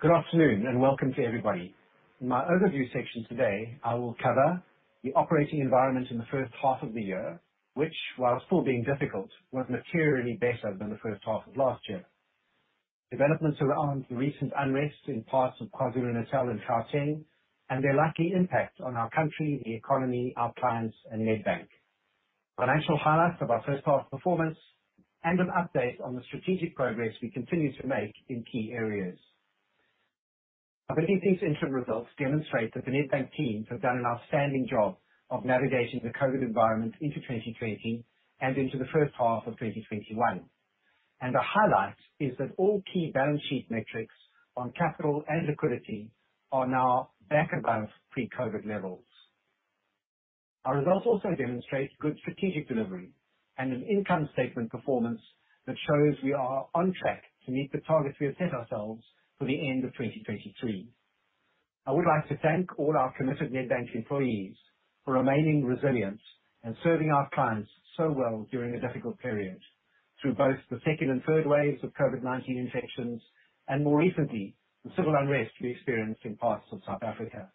Good afternoon, welcome to everybody. In my overview section today, I will cover the operating environment in the first half of the year, which while still being difficult, was materially better than the first half of last year. Developments around recent unrest in parts of KwaZulu-Natal and Gauteng, their likely impact on our country, the economy, our clients, and Nedbank. Financial highlights of our first half performance, an update on the strategic progress we continue to make in key areas. I believe these interim results demonstrate that the Nedbank teams have done an outstanding job of navigating the COVID environment into 2020 and into the first half of 2021. A highlight is that all key balance sheet metrics on capital and liquidity are now back above pre-COVID levels. Our results also demonstrate good strategic delivery and an income statement performance that shows we are on track to meet the targets we have set ourselves for the end of 2023. I would like to thank all our committed Nedbank employees for remaining resilient and serving our clients so well during a difficult period through both the second and third waves of COVID-19 infections and more recently, the civil unrest we experienced in parts of South Africa.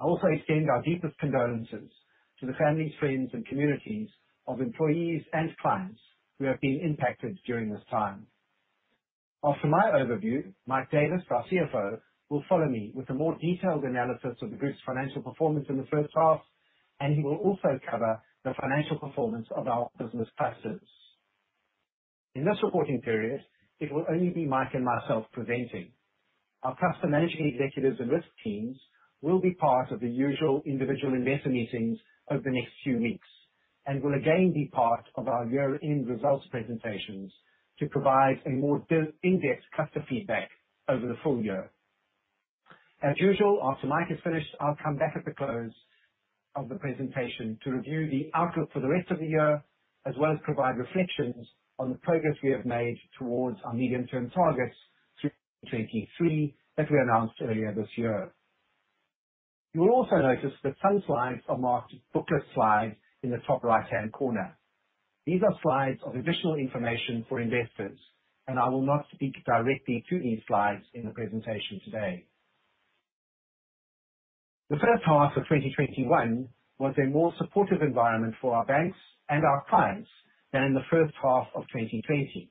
I also extend our deepest condolences to the families, friends, and communities of employees and clients who have been impacted during this time. After my overview, Mike Davis, our CFO, will follow me with a more detailed analysis of the group's financial performance in the first half, and he will also cover the financial performance of our business clusters. In this reporting period, it will only be Mike and myself presenting. Our cluster managing executives and risk teams will be part of the usual individual investor meetings over the next few weeks, and will again be part of our year-end results presentations to provide a more in-depth customer feedback over the full year. As usual, after Mike is finished, I'll come back at the close of the presentation to review the outlook for the rest of the year, as well as provide reflections on the progress we have made towards our medium-term targets through 2023 that we announced earlier this year. You will also notice that some slides are marked booklet slides in the top right-hand corner. These are slides of additional information for investors. I will not speak directly to these slides in the presentation today. The first half of 2021 was a more supportive environment for our banks and our clients than in the first half of 2020,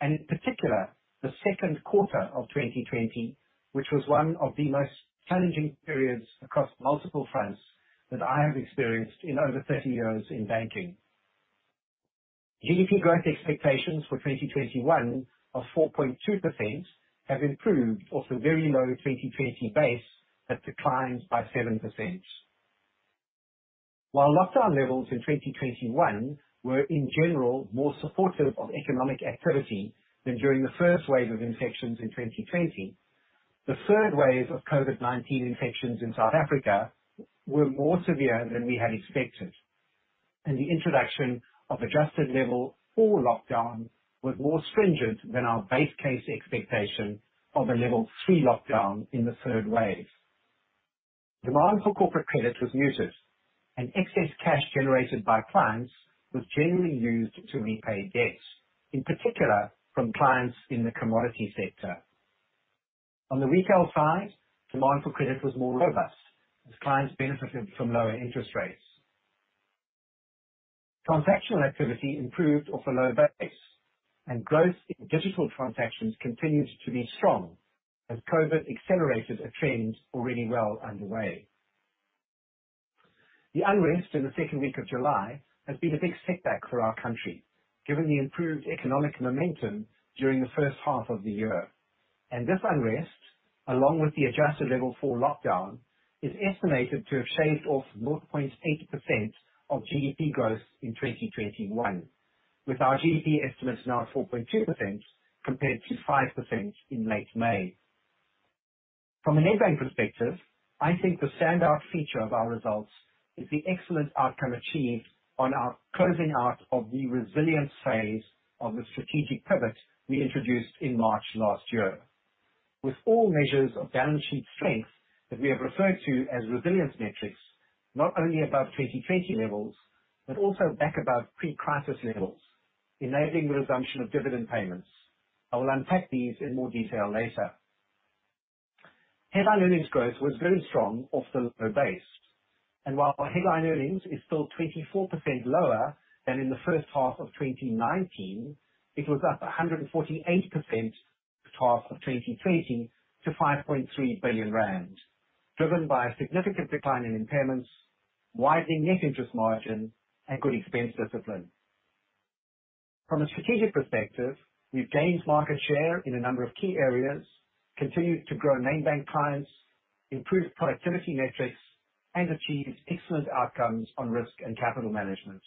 and in particular, the second quarter of 2020, which was one of the most challenging periods across multiple fronts that I have experienced in over 30 years in banking. GDP growth expectations for 2021 of 4.2% have improved off a very low 2020 base that declined by 7%. While lockdown levels in 2021 were in general more supportive of economic activity than during the first wave of infections in 2020, the third wave of COVID-19 infections in South Africa were more severe than we had expected. The introduction of adjusted level four lockdown was more stringent than our base case expectation of a level three lockdown in the third wave. Demand for corporate credit was muted, and excess cash generated by clients was generally used to repay debts, in particular from clients in the commodity sector. On the retail side, demand for credit was more robust as clients benefited from lower interest rates. Transactional activity improved off a low base, and growth in digital transactions continued to be strong as COVID accelerated a trend already well underway. The unrest in the second week of July has been a big setback for our country, given the improved economic momentum during the first half of the year. This unrest, along with the adjusted level four lockdown, is estimated to have shaved off 0.8% of GDP growth in 2021, with our GDP estimates now at 4.2% compared to 5% in late May. From a Nedbank perspective, I think the standout feature of our results is the excellent outcome achieved on our closing out of the resilience phase of the strategic pivot we introduced in March last year. With all measures of balance sheet strength that we have referred to as resilience metrics, not only above 2020 levels, but also back above pre-crisis levels, enabling the resumption of dividend payments. I will unpack these in more detail later. Headline earnings growth was very strong off the low base, and while headline earnings is still 24% lower than in the first half of 2019, it was up 148% the first half of 2020 to 5.3 billion rand, driven by a significant decline in impairments, widening net interest margin, and good expense discipline. From a strategic perspective, we've gained market share in a number of key areas, continued to grow main bank clients, improved productivity metrics, and achieved excellent outcomes on risk and capital management.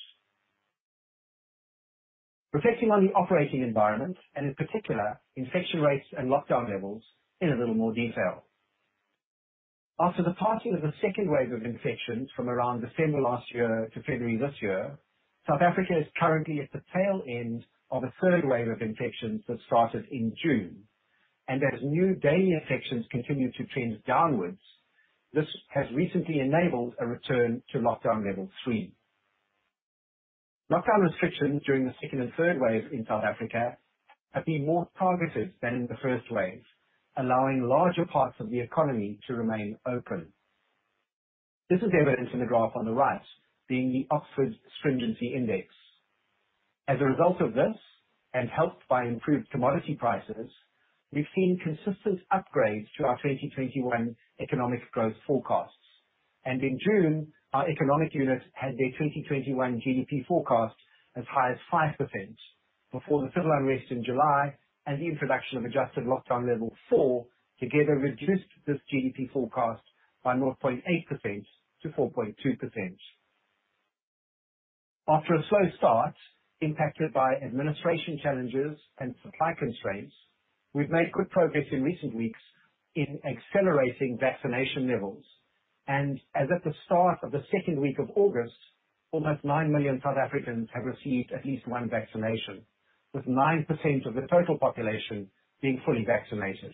Reflecting on the operating environment and in particular, infection rates and lockdown levels in a little more detail. After the passing of the second wave of infections from around December last year to February this year, South Africa is currently at the tail end of a third wave of infections that started in June. As new daily infections continue to trend downwards, this has recently enabled a return to lockdown level three. Lockdown restrictions during the second and third waves in South Africa have been more targeted than the first wave, allowing larger parts of the economy to remain open. This is evidenced in the graph on the right, being the Oxford Stringency Index. As a result of this, and helped by improved commodity prices, we've seen consistent upgrades to our 2021 economic growth forecasts. In June, our economic unit had their 2021 GDP forecast as high as 5%, before the civil unrest in July and the introduction of adjusted lockdown level four together reduced this GDP forecast by 0.8%-4.2%. After a slow start impacted by administration challenges and supply constraints, we've made good progress in recent weeks in accelerating vaccination levels. As of the start of the second week of August, almost 9 million South Africans have received at least one vaccination, with 9% of the total population being fully vaccinated.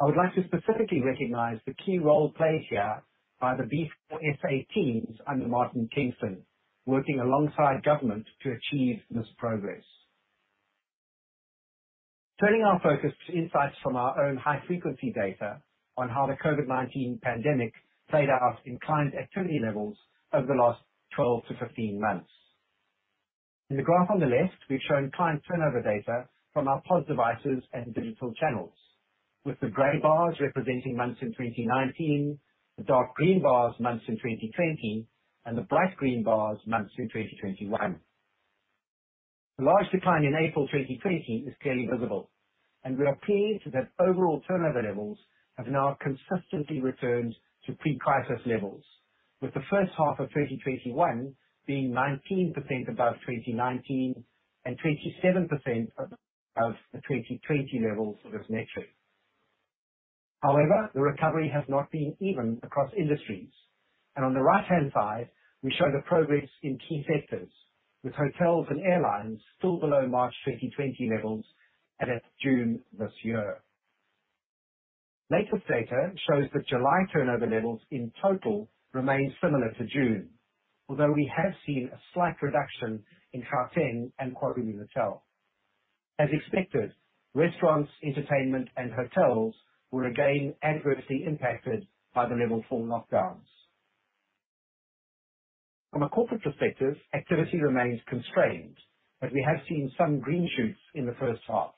I would like to specifically recognize the key role played here by the B4SA teams under Martin Kingston, working alongside government to achieve this progress. Turning our focus to insights from our own high-frequency data on how the COVID-19 pandemic played out in client activity levels over the last 12-15 months. In the graph on the left, we've shown client turnover data from our POS devices and digital channels, with the gray bars representing months in 2019, the dark green bars, months in 2020, and the bright green bars, months in 2021. The large decline in April 2020 is clearly visible, and we are pleased that overall turnover levels have now consistently returned to pre-crisis levels, with the first half of 2021 being 19% above 2019 and 27% above the 2020 levels for this metric. However, the recovery has not been even across industries. On the right-hand side, we show the progress in key sectors, with hotels and airlines still below March 2020 levels and at June this year. Latest data shows that July turnover levels in total remain similar to June, although we have seen a slight reduction in Gauteng and KwaZulu-Natal. As expected, restaurants, entertainment, and hotels were again adversely impacted by the level four lockdowns. From a corporate perspective, activity remains constrained, but we have seen some green shoots in the first half.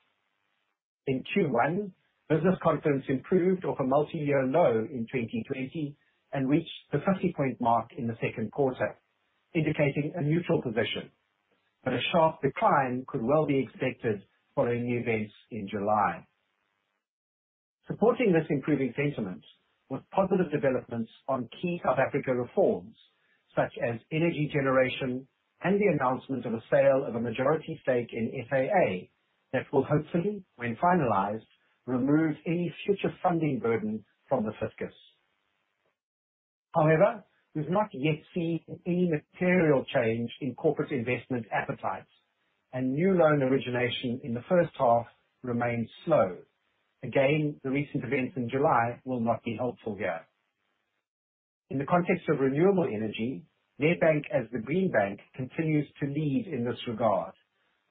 In Q1, business confidence improved off a multi-year low in 2020 and reached the 50-point mark in the second quarter, indicating a neutral position. A sharp decline could well be expected following the events in July. Supporting this improving sentiment was positive developments on key South Africa reforms such as energy generation and the announcement of a sale of a majority stake in SAA that will hopefully, when finalized, remove any future funding burden from the fiscus. However, we've not yet seen any material change in corporate investment appetite, and new loan origination in the first half remains slow. Again, the recent events in July will not be helpful here. In the context of renewable energy, Nedbank as the Green Bank continues to lead in this regard,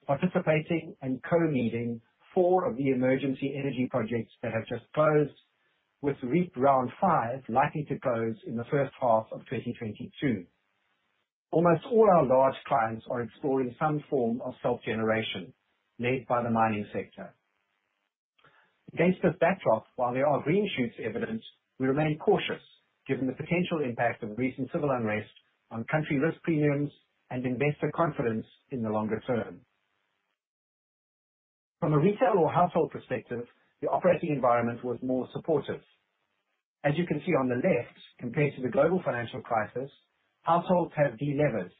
participating and co-leading four of the emergency energy projects that have just closed, with REIPPP Round 5 likely to close in the first half of 2022. Almost all our large clients are exploring some form of self-generation, led by the mining sector. Against this backdrop, while there are green shoots evident, we remain cautious given the potential impact of recent civil unrest on country risk premiums and investor confidence in the longer term. From a retail or household perspective, the operating environment was more supportive. As you can see on the left, compared to the global financial crisis, households have de-levered,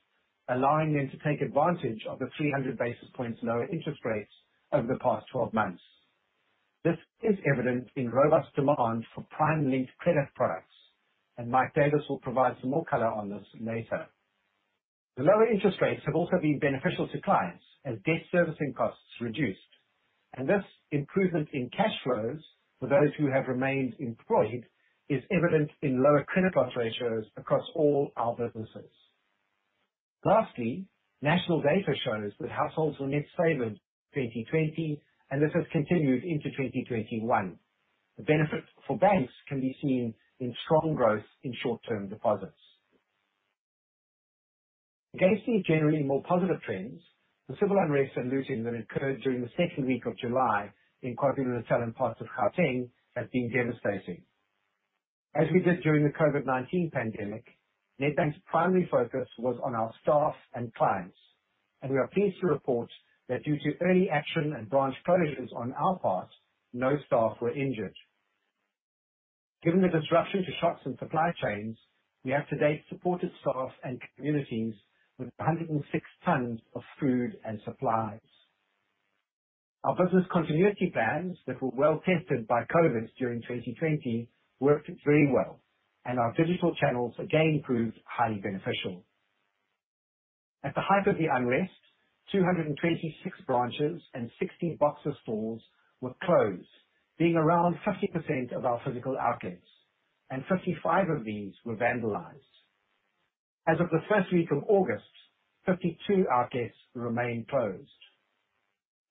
allowing them to take advantage of the 300 basis points lower interest rates over the past 12 months. This is evident in robust demand for prime linked credit products. Mike Davis will provide some more color on this later. The lower interest rates have also been beneficial to clients as debt servicing costs reduced. This improvement in cash flows for those who have remained employed is evident in lower credit loss ratios across all our businesses. Lastly, national data shows that households were net savers 2020. This has continued into 2021. The benefit for banks can be seen in strong growth in short-term deposits. Against these generally more positive trends, the civil unrest and looting that occurred during the second week of July in KwaZulu-Natal and parts of Gauteng have been devastating. As we did during the COVID-19 pandemic, Nedbank's primary focus was on our staff and clients, and we are pleased to report that due to early action and branch closures on our part, no staff were injured. Given the disruption to shops and supply chains, we have to date supported staff and communities with 106 tons of food and supplies. Our business continuity plans that were well tested by COVID during 2020 worked very well, and our digital channels again proved highly beneficial. At the height of the unrest, 226 branches and 60 Boxer stores were closed, being around 50% of our physical outlets. 55 of these were vandalized. As of the first week of August, 52 outlets remain closed.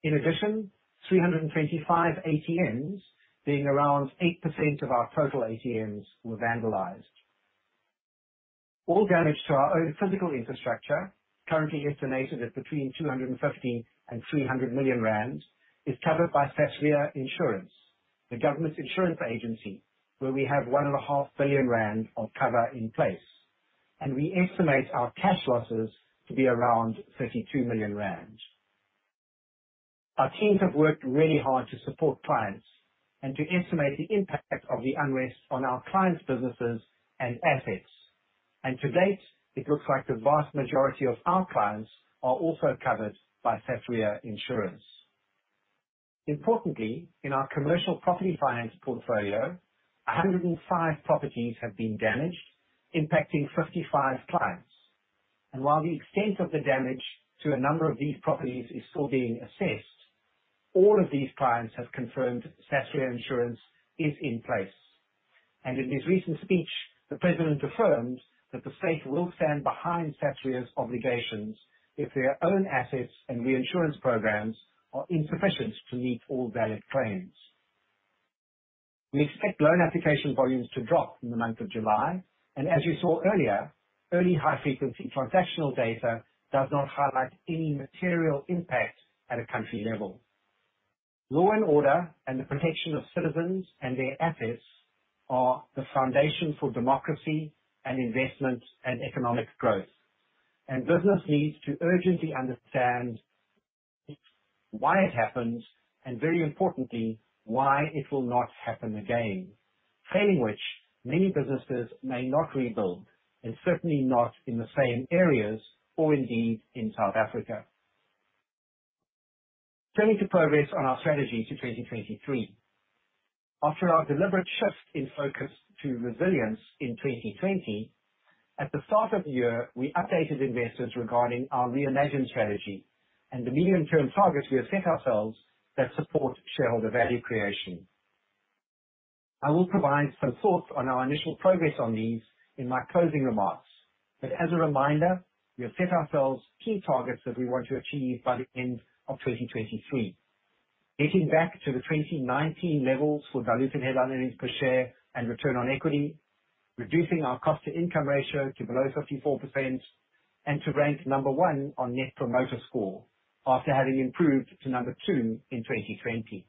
In addition, 325 ATMs, being around 8% of our total ATMs, were vandalized. All damage to our own physical infrastructure, currently estimated at between 250 million and 300 million rand, is covered by Sasria insurance, the government's insurance agency, where we have 1.5 billion rand of cover in place. We estimate our cash losses to be around 32 million rand. Our teams have worked really hard to support clients and to estimate the impact of the unrest on our clients' businesses and assets. To date, it looks like the vast majority of our clients are also covered by Sasria insurance. Importantly, in our commercial property finance portfolio, 105 properties have been damaged, impacting 55 clients. While the extent of the damage to a number of these properties is still being assessed, all of these clients have confirmed Sasria insurance is in place. In his recent speech, the President affirmed that the state will stand behind Sasria's obligations if their own assets and reinsurance programs are insufficient to meet all valid claims. We expect loan application volumes to drop in the month of July, and as you saw earlier, early high-frequency transactional data does not highlight any material impact at a country level. Law and order and the protection of citizens and their assets are the foundation for democracy and investment and economic growth. Business needs to urgently understand why it happens, and very importantly, why it will not happen again. Failing which, many businesses may not rebuild, and certainly not in the same areas or indeed in South Africa. Turning to progress on our strategy to 2023. After our deliberate shift in focus to resilience in 2020, at the start of the year, we updated investors regarding our reimagined strategy and the medium-term targets we have set ourselves that support shareholder value creation. I will provide some thoughts on our initial progress on these in my closing remarks. As a reminder, we have set ourselves key targets that we want to achieve by the end of 2023. Getting back to the 2019 levels for diluted headline earnings per share and return on equity, reducing our cost-to-income ratio to below 54%, and to rank number one on Net Promoter Score after having improved to number two in 2020.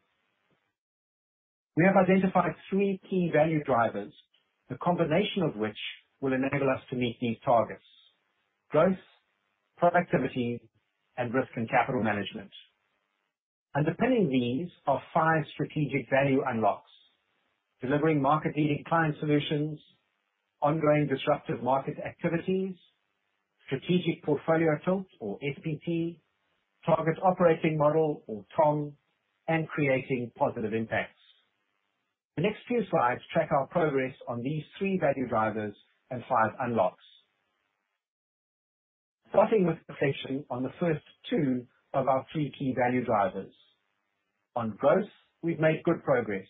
We have identified three key value drivers, the combination of which will enable us to meet these targets. Growth, productivity, and risk and capital management. Underpinning these are five strategic value unlocks. Delivering market-leading client solutions, ongoing disruptive market activities, Strategic Portfolio Tilt or SPT, Target Operating Model or TOM, and creating positive impacts. The next few slides track our progress on these three value drivers and five unlocks. Starting with a reflection on the first two of our three key value drivers. On growth, we've made good progress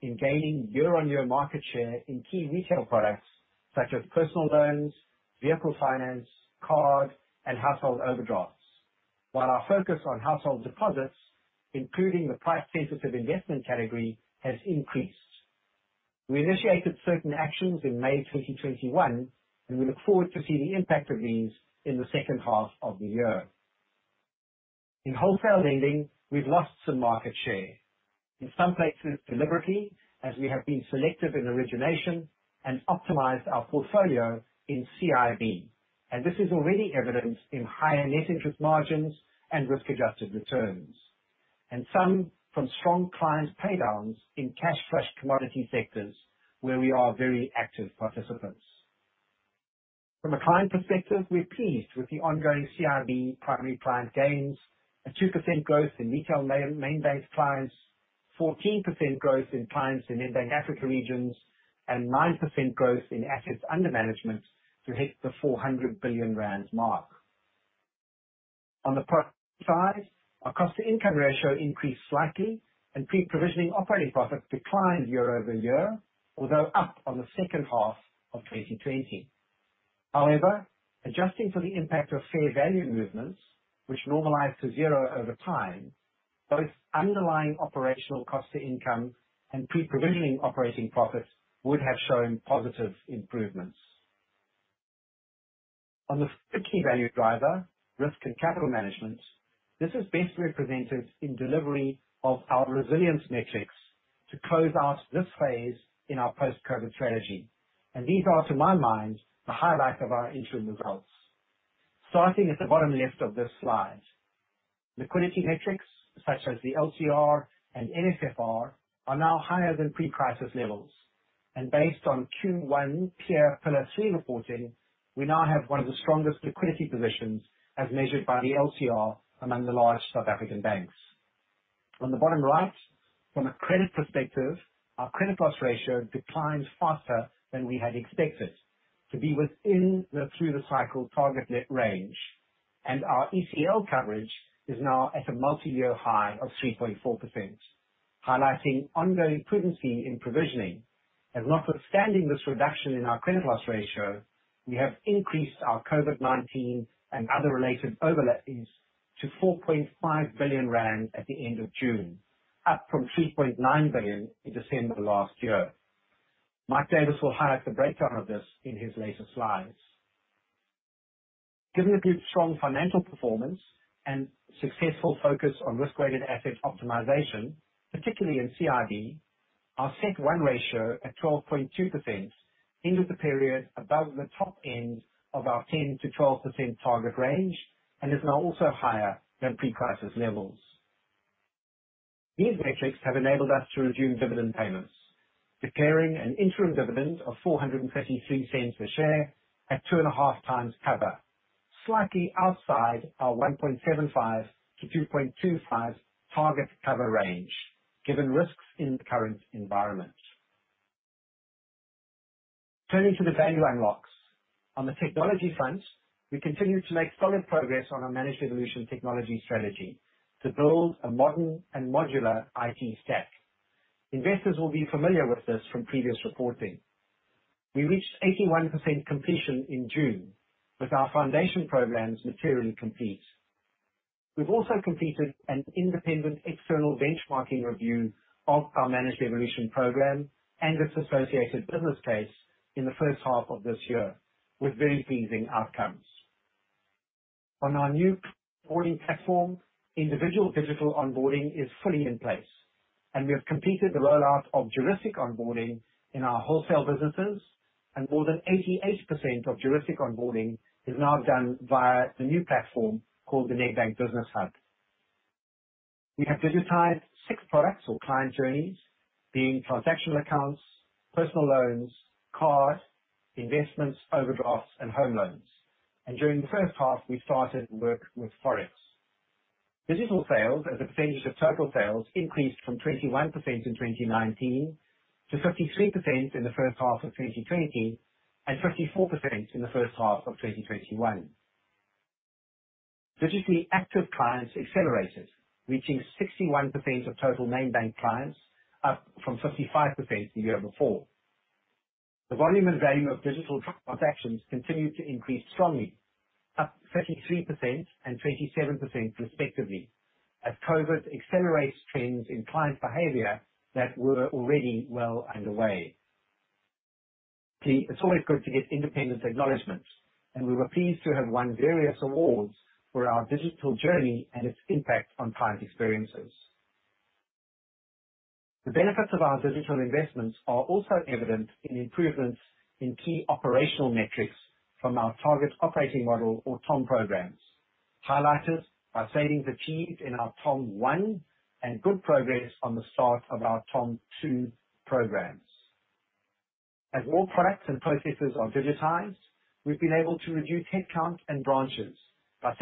in gaining year-on-year market share in key retail products such as personal loans, vehicle finance, card, and household overdrafts, while our focus on household deposits, including the price sensitive investment category, has increased. We initiated certain actions in May 2021, and we look forward to seeing the impact of these in the second half of the year. In wholesale lending, we've lost some market share. In some places deliberately, as we have been selective in origination and optimized our portfolio in CIB. This is already evidenced in higher net interest margins and risk-adjusted returns. Some from strong clients paydowns in cash-flush commodity sectors where we are very active participants. From a client perspective, we're pleased with the ongoing CIB primary client gains, a 2% growth in retail main base clients, 14% growth in clients in Nedbank Africa Regions, and 9% growth in assets under management to hit the 400 billion rand mark. On the profit side, our cost-to-income ratio increased slightly, and pre-provisioning operating profits declined year-over-year, although up on the second half of 2020. However, adjusting for the impact of fair value movements, which normalize to zero over time, both underlying operational cost to income and pre-provisioning operating profits would have shown positive improvements. On the third key value driver, risk and capital management, this is best represented in delivery of our resilience metrics to close out this phase in our post-COVID-19 strategy. These are, to my mind, the highlight of our interim results. Starting at the bottom left of this slide. Liquidity metrics such as the LCR and NSFR are now higher than pre-crisis levels. Based on Q1 Pillar 3 reporting, we now have one of the strongest liquidity positions as measured by the LCR among the large South African banks. On the bottom right, from a credit perspective, our credit loss ratio declined faster than we had expected to be within the through-the-cycle target range. Our ECL coverage is now at a multi-year high of 3.4%, highlighting ongoing prudence in provisioning. Notwithstanding this reduction in our credit loss ratio, we have increased our COVID-19 and other related overlays to 4.5 billion rand at the end of June, up from 3.9 billion in December last year. Mike Davis will highlight the breakdown of this in his later slides. Given the group's strong financial performance and successful focus on risk-weighted asset optimization, particularly in CIB, our CET1 ratio at 12.2% ended the period above the top end of our 10%-12% target range, and is now also higher than pre-crisis levels. These metrics have enabled us to resume dividend payments, declaring an interim dividend of 4.33 per share at 2.5x cover, slightly outside our 1.75x-2.25x target cover range, given risks in the current environment. Turning to the value unlocks. On the technology front, we continue to make solid progress on our Managed Evolution technology strategy to build a modern and modular IT stack. Investors will be familiar with this from previous reporting. We reached 81% completion in June, with our foundation programs materially complete. We've also completed an independent external benchmarking review of our Managed Evolution program and its associated business case in the first half of this year, with very pleasing outcomes. On our new boarding platform, individual digital onboarding is fully in place. We have completed the rollout of juristic onboarding in our wholesale businesses. More than 88% of juristic onboarding is now done via the new platform called the Nedbank Business Hub. We have digitized six products or client journeys, being transactional accounts, personal loans, cars, investments, overdrafts, and home loans. During the first half, we started work with forex. Digital sales as a percentage of total sales increased from 21% in 2019 to 53% in the first half of 2020, and 54% in the first half of 2021. Digitally active clients accelerated, reaching 61% of total main bank clients, up from 55% the year before. The volume and value of digital transactions continued to increase strongly, up 33% and 27% respectively, as COVID accelerates trends in client behavior that were already well underway. It's always good to get independent acknowledgment, and we were pleased to have won various awards for our digital journey and its impact on client experiences. The benefits of our digital investments are also evident in the improvements in key operational metrics from our target operating model or TOM programs, highlighted by savings achieved in our TOM 1 and good progress on the start of our TOM 2.0 Programs. As more products and processes are digitized, we've been able to reduce headcount and branches by 6%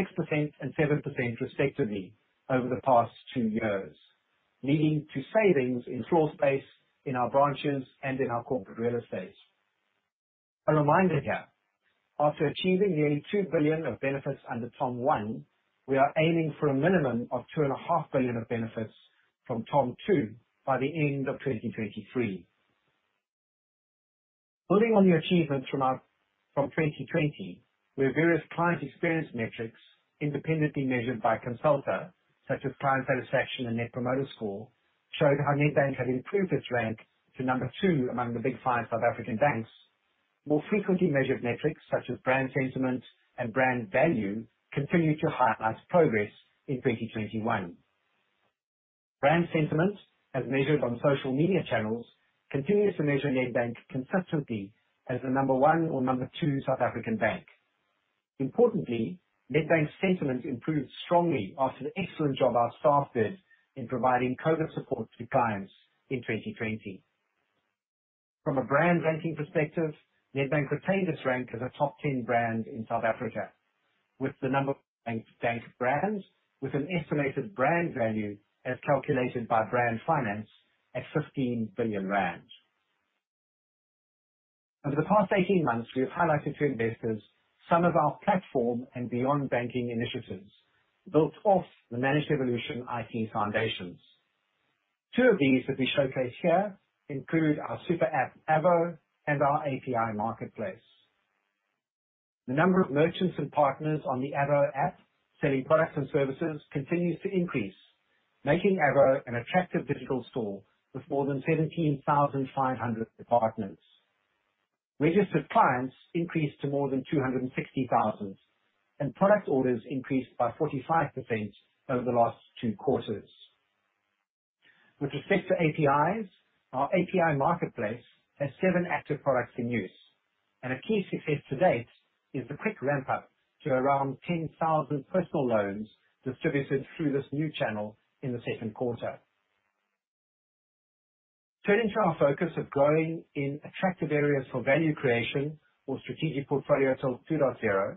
and 7% respectively over the past two years, leading to savings in floor space in our branches and in our corporate real estate. A reminder here. After achieving nearly 2 billion of benefits under TOM 1, we are aiming for a minimum of 2.5 billion of benefits from TOM 2.0 By the end of 2023. Building on the achievements from 2020, where various client experience metrics independently measured by Consulta, such as client satisfaction and Net Promoter Score, showed how Nedbank had improved its rank to number two among the Big Five South African banks. More frequently measured metrics such as brand sentiment and brand value continued to highlight progress in 2021. Brand sentiment, as measured on social media channels, continues to measure Nedbank consistently as the number one or number two South African bank. Importantly, Nedbank's sentiment improved strongly after the excellent job our staff did in providing COVID support to clients in 2020. From a brand ranking perspective, Nedbank retained its rank as a top 10 brand in South Africa, with the number one bank brand, with an estimated brand value as calculated by Brand Finance at 15 billion rand. Over the past 18 months, we have highlighted to investors some of our platform and beyond banking initiatives built off the managed evolution IT foundations. Two of these that we showcase here include our super app, Avo, and our API marketplace. The number of merchants and partners on the Avo app selling products and services continues to increase, making Avo an attractive digital store with more than 17,500 partners. Registered clients increased to more than 260,000, and product orders increased by 45% over the last two quarters. With respect to APIs, our API marketplace has seven active products in use, and a key success to date is the quick ramp-up to around 10,000 personal loans distributed through this new channel in the second quarter. Turning to our focus of growing in attractive areas for value creation or Strategic Portfolio Tilt 2.0,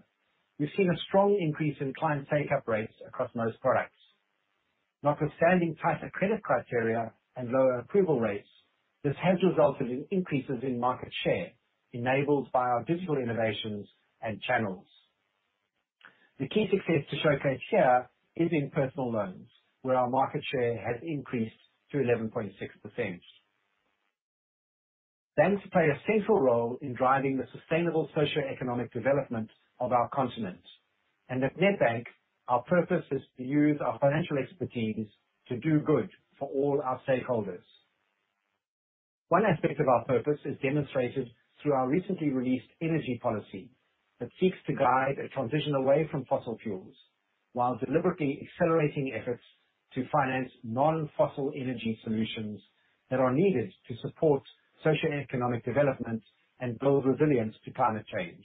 we've seen a strong increase in client take-up rates across most products. Notwithstanding tighter credit criteria and lower approval rates, this has resulted in increases in market share enabled by our digital innovations and channels. The key success to showcase here is in personal loans, where our market share has increased to 11.6%. Banks play a central role in driving the sustainable socioeconomic development of our continent. At Nedbank, our purpose is to use our financial expertise to do good for all our stakeholders. One aspect of our purpose is demonstrated through our recently released Energy Policy that seeks to guide a transition away from fossil fuels, while deliberately accelerating efforts to finance non-fossil energy solutions that are needed to support socioeconomic development and build resilience to climate change.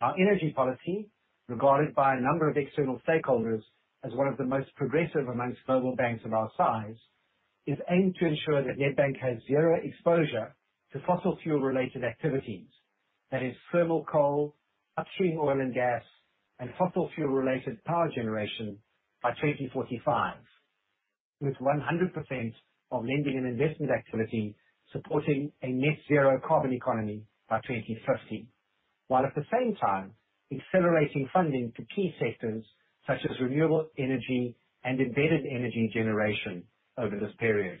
Our Energy Policy, regarded by a number of external stakeholders as one of the most progressive amongst global banks of our size, is aimed to ensure that Nedbank has zero exposure to fossil fuel-related activities. That is thermal coal, upstream oil and gas, and fossil fuel-related power generation by 2045. With 100% of lending and investment activity supporting a net zero carbon economy by 2050, while at the same time accelerating funding to key sectors such as renewable energy and embedded energy generation over this period.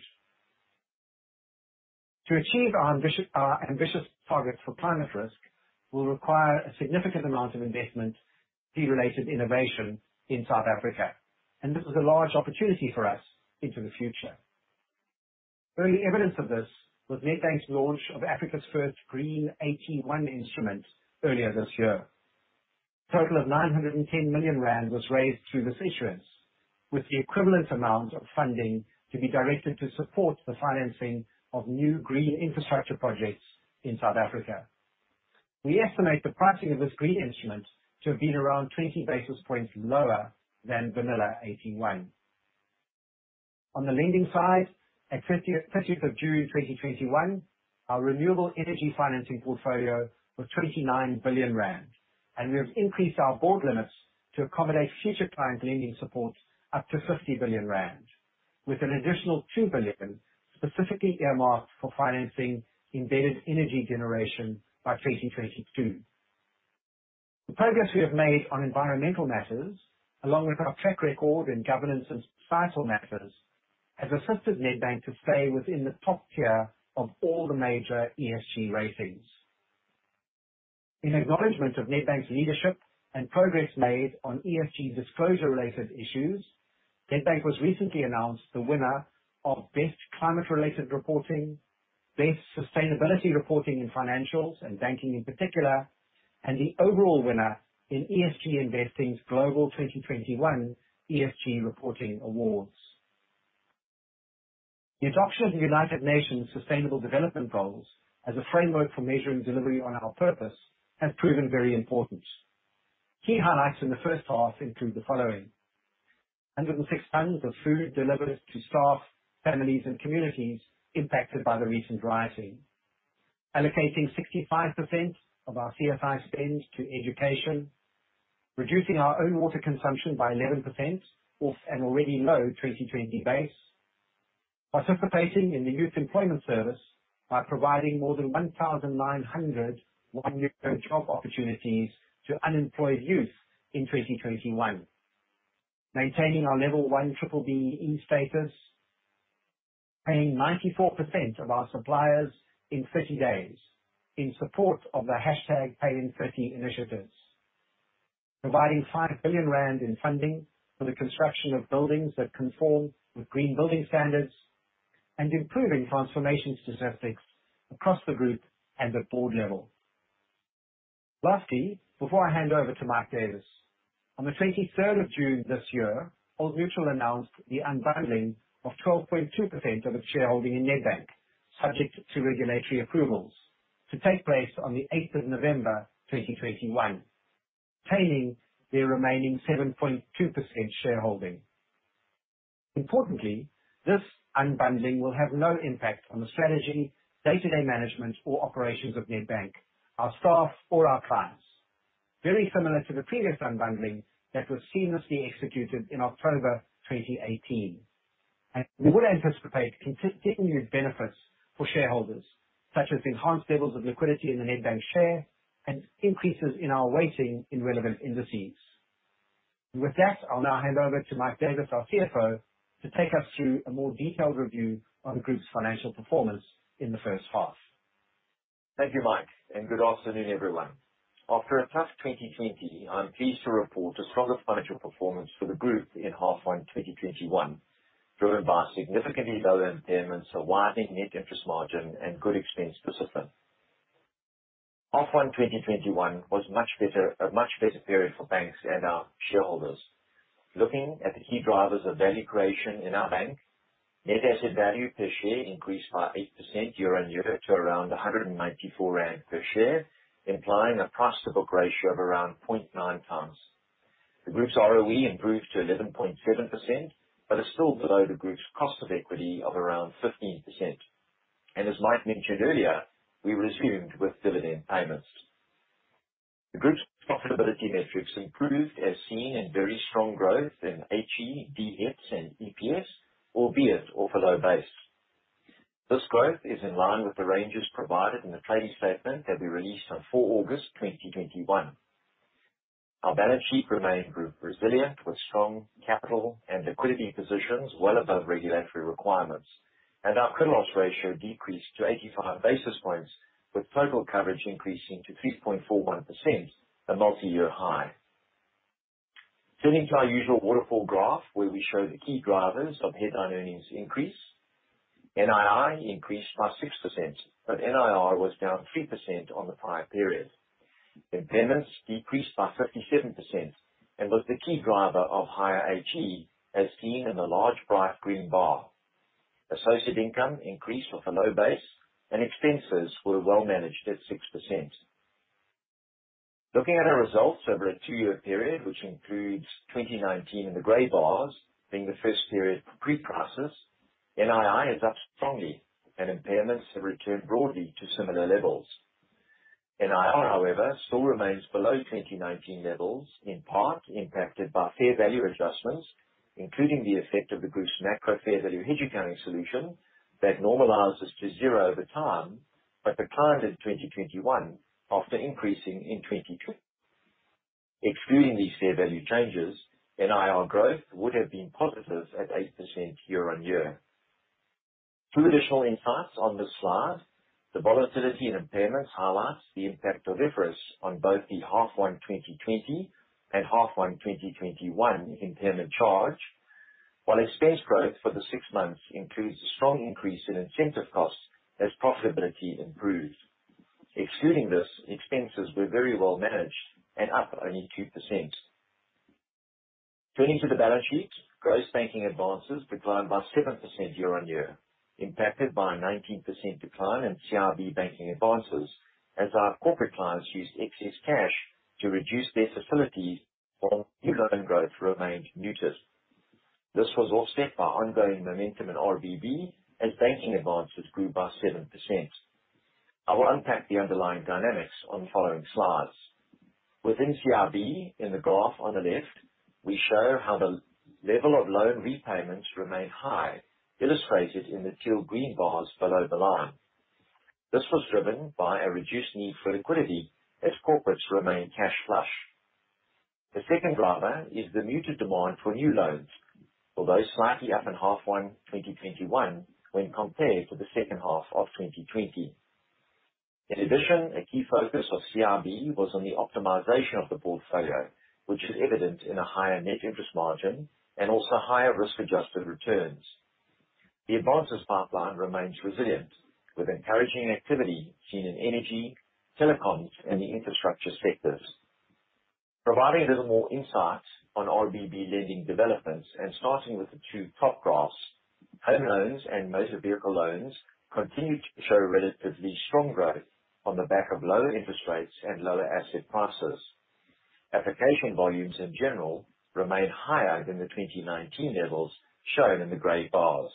To achieve our ambitious target for climate risk will require a significant amount of investment, key related innovation in South Africa. This is a large opportunity for us into the future. Early evidence of this was Nedbank's launch of Africa's first green AT1 instrument earlier this year. A total of 910 million rand was raised through this issuance, with the equivalent amount of funding to be directed to support the financing of new green infrastructure projects in South Africa. We estimate the pricing of this green instrument to have been around 20 basis points lower than vanilla AT1. On the lending side, at 30th of June 2021, our renewable energy financing portfolio was 29 billion rand. We have increased our board limits to accommodate future client lending support up to 50 billion rand, with an additional 2 billion specifically earmarked for financing embedded energy generation by 2022. The progress we have made on environmental matters, along with our track record in governance and societal matters, has assisted Nedbank to stay within the top tier of all the major ESG ratings. In acknowledgement of Nedbank's leadership and progress made on ESG disclosure related issues, Nedbank was recently announced the winner of best climate related reporting, best sustainability reporting in financials and banking in particular, and the overall winner in ESG Investing's Global 2021 ESG Reporting Awards. The adoption of the United Nations Sustainable Development Goals as a framework for measuring delivery on our purpose has proven very important. Key highlights in the first half include the following: 106 tons of food delivered to staff, families, and communities impacted by the recent rioting. Allocating 65% of our CSI spends to education. Reducing our own water consumption by 11%, off an already low 2020 base. Participating in the Youth Employment Service by providing more than 1,900 one-year job opportunities to unemployed youth in 2021. Maintaining our level 1 B-BBEE status. Paying 94% of our suppliers in 30 days in support of the #PayIn30 initiatives. Providing 5 billion rand in funding for the construction of buildings that conform with green building standards. Improving transformation specifics across the group and at board level. Lastly, before I hand over to Mike Davis, on the 23rd of June this year, Old Mutual announced the unbundling of 12.2% of its shareholding in Nedbank, subject to regulatory approvals, to take place on the 8th of November 2021, paying their remaining 7.2% shareholding. Importantly, this unbundling will have no impact on the strategy, day-to-day management, or operations of Nedbank, our staff, or our clients. Very similar to the previous unbundling that was seamlessly executed in October 2018. We would anticipate continued benefits for shareholders, such as enhanced levels of liquidity in the Nedbank share and increases in our weighting in relevant indices. With that, I'll now hand over to Mike Davis, our CFO, to take us through a more detailed review of the group's financial performance in the first half. Thank you, Mike, and good afternoon, everyone. After a tough 2020, I'm pleased to report a stronger financial performance for the group in H1 2021, driven by significantly lower impairments, a widening net interest margin, and good expense discipline. H1 2021 was a much better period for banks and our shareholders. Looking at the key drivers of value creation in our bank, net asset value per share increased by 8% year-on-year to around 194 rand per share, implying a price to book ratio of around 0.9x. The group's ROE improved to 11.7%, but is still below the group's cost of equity of around 15%. As Mike mentioned earlier, we resumed with dividend payments. The group's profitability metrics improved as seen in very strong growth in HEPS and EPS, albeit off a low base. This growth is in line with the ranges provided in the trading statement that we released on 4 August 2021. Our balance sheet remained resilient, with strong capital and liquidity positions well above regulatory requirements, and our credit loss ratio decreased to 85 basis points, with total coverage increasing to 3.41%, a multi-year high. Turning to our usual waterfall graph where we show the key drivers of headline earnings increase. NII increased by 6%, but NIR was down 3% on the prior period. Impairments decreased by 57% and was the key driver of higher HE, as seen in the large bright green bar. Associated income increased off a low base, and expenses were well managed at 6%. Looking at our results over a two-year period, which includes 2019 in the gray bars, being the first period for pre-crisis, NII is up strongly and impairments have returned broadly to similar levels. NIR, however, still remains below 2019 levels, in part impacted by fair value adjustments, including the effect of the group's macro fair value hedge accounting solution that normalizes to zero over time, but declined in 2021 after increasing in 2022. Excluding these fair value changes, NIR growth would have been positive at 8% year-on-year. Two additional insights on this slide. The volatility in impairments highlights the impact of IFRS on both the half one 2020 and half one 2021 impairment charge. Expense growth for the six months includes a strong increase in incentive costs as profitability improves. Excluding this, expenses were very well managed and up only 2%. Turning to the balance sheet, gross banking advances declined by 7% year-on-year, impacted by a 19% decline in CIB banking advances, as our corporate clients used excess cash to reduce their facilities while new loan growth remained muted. This was offset by ongoing momentum in RBB as banking advances grew by 7%. I will unpack the underlying dynamics on the following slides. Within CIB, in the graph on the left, we show how the level of loan repayments remained high, illustrated in the teal green bars below the line. This was driven by a reduced need for liquidity as corporates remain cash flush. The second driver is the muted demand for new loans, although slightly up in half one 2021 when compared to the second half of 2020. In addition, a key focus of CIB was on the optimization of the portfolio, which is evident in a higher net interest margin and also higher risk-adjusted returns. The advances pipeline remains resilient, with encouraging activity seen in energy, telecoms, and the infrastructure sectors. Providing a little more insight on RBB lending developments and starting with the two top graphs. Home loans and motor vehicle loans continued to show relatively strong growth on the back of lower interest rates and lower asset prices. Application volumes in general remained higher than the 2019 levels shown in the gray bars.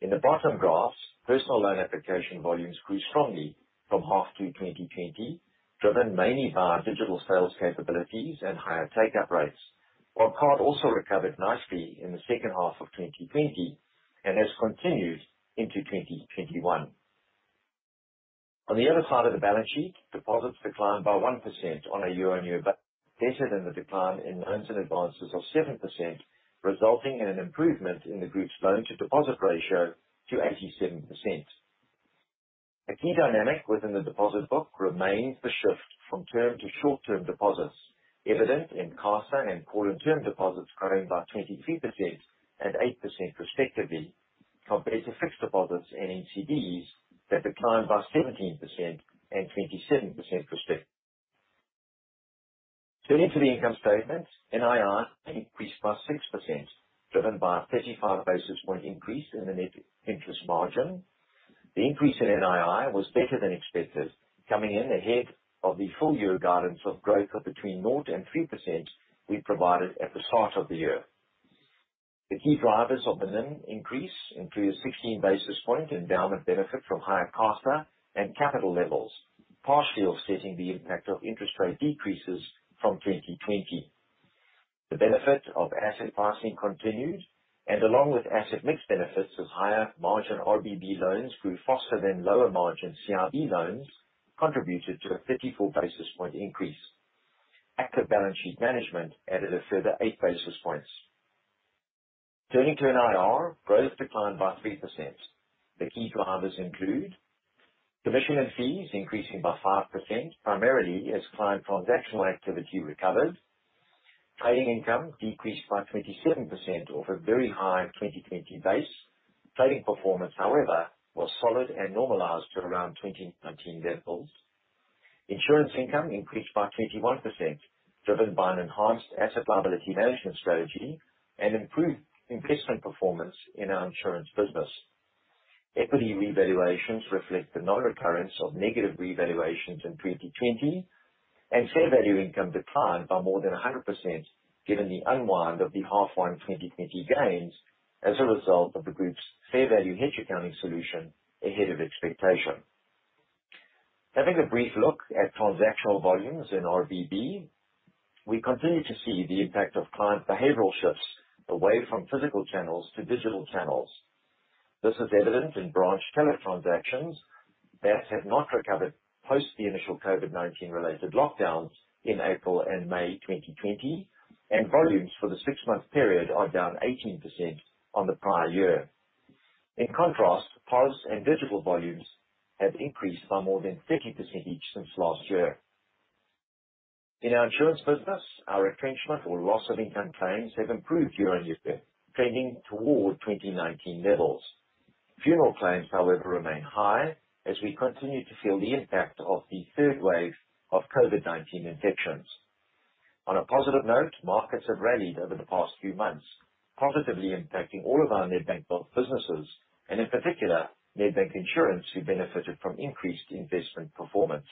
In the bottom graphs, personal loan application volumes grew strongly from half two 2020, driven mainly by our digital sales capabilities and higher take-up rates. Our card also recovered nicely in the second half of 2020 and has continued into 2021. On the other side of the balance sheet, deposits declined by 1% on a year-on-year basis. Better than the decline in loans and advances of 7%, resulting in an improvement in the group's loan-to-deposit ratio to 87%. A key dynamic within the deposit book remains the shift from term to short-term deposits, evident in CASA and call term deposits growing by 23% and 8% respectively, compared to fixed deposits and NCDs that declined by 17% and 27% respectively. Turning to the income statement, NII increased by 6%, driven by a 35 basis points increase in the net interest margin. The increase in NII was better than expected, coming in ahead of the full-year guidance of growth of between 0% and 3% we provided at the start of the year. The key drivers of the NIM increase include a 16 basis points endowment benefit from higher CASA and capital levels, partially offsetting the impact of interest rate decreases from 2020. The benefit of asset pricing continued, and along with asset mix benefits as higher margin RBB loans grew faster than lower margin CIB loans contributed to a 54 basis point increase. Active balance sheet management added a further 8 basis points. Turning to NIR. Growth declined by 3%. The key drivers include commission and fees increasing by 5%, primarily as client transactional activity recovered. Trading income decreased by 27% off a very high 2020 base. Trading performance, however, was solid and normalized to around 2019 levels. Insurance income increased by 21%, driven by an enhanced asset liability management strategy and improved investment performance in our insurance business. Equity revaluations reflect the non-recurrence of negative revaluations in 2020, fair value income declined by more than 100% given the unwind of the half one 2020 gains as a result of the group's fair value hedge accounting solution ahead of expectation. Having a brief look at transactional volumes in RBB, we continue to see the impact of client behavioral shifts away from physical channels to digital channels. This is evident in branch teller transactions that have not recovered post the initial COVID-19 related lockdowns in April and May 2020. Volumes for the six-month period are down 18% on the prior year. In contrast, POS and digital volumes have increased by more than 50% each since last year. In our insurance business, our retrenchment or loss of income claims have improved year-over-year, trending toward 2019 levels. Funeral claims, however, remain high as we continue to feel the impact of the third wave of COVID-19 infections. On a positive note, markets have rallied over the past few months, positively impacting all of our Nedbank businesses, and in particular, Nedbank Insurance, who benefited from increased investment performance.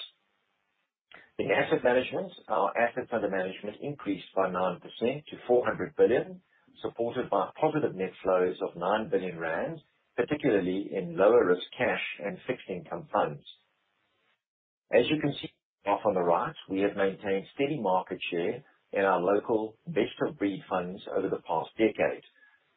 In asset management, our assets under management increased by 9% to 400 billion, supported by positive net flows of 9 billion rand, particularly in lower-risk cash and fixed income funds. As you can see off on the right, we have maintained steady market share in our local best-of-breed funds over the past decade.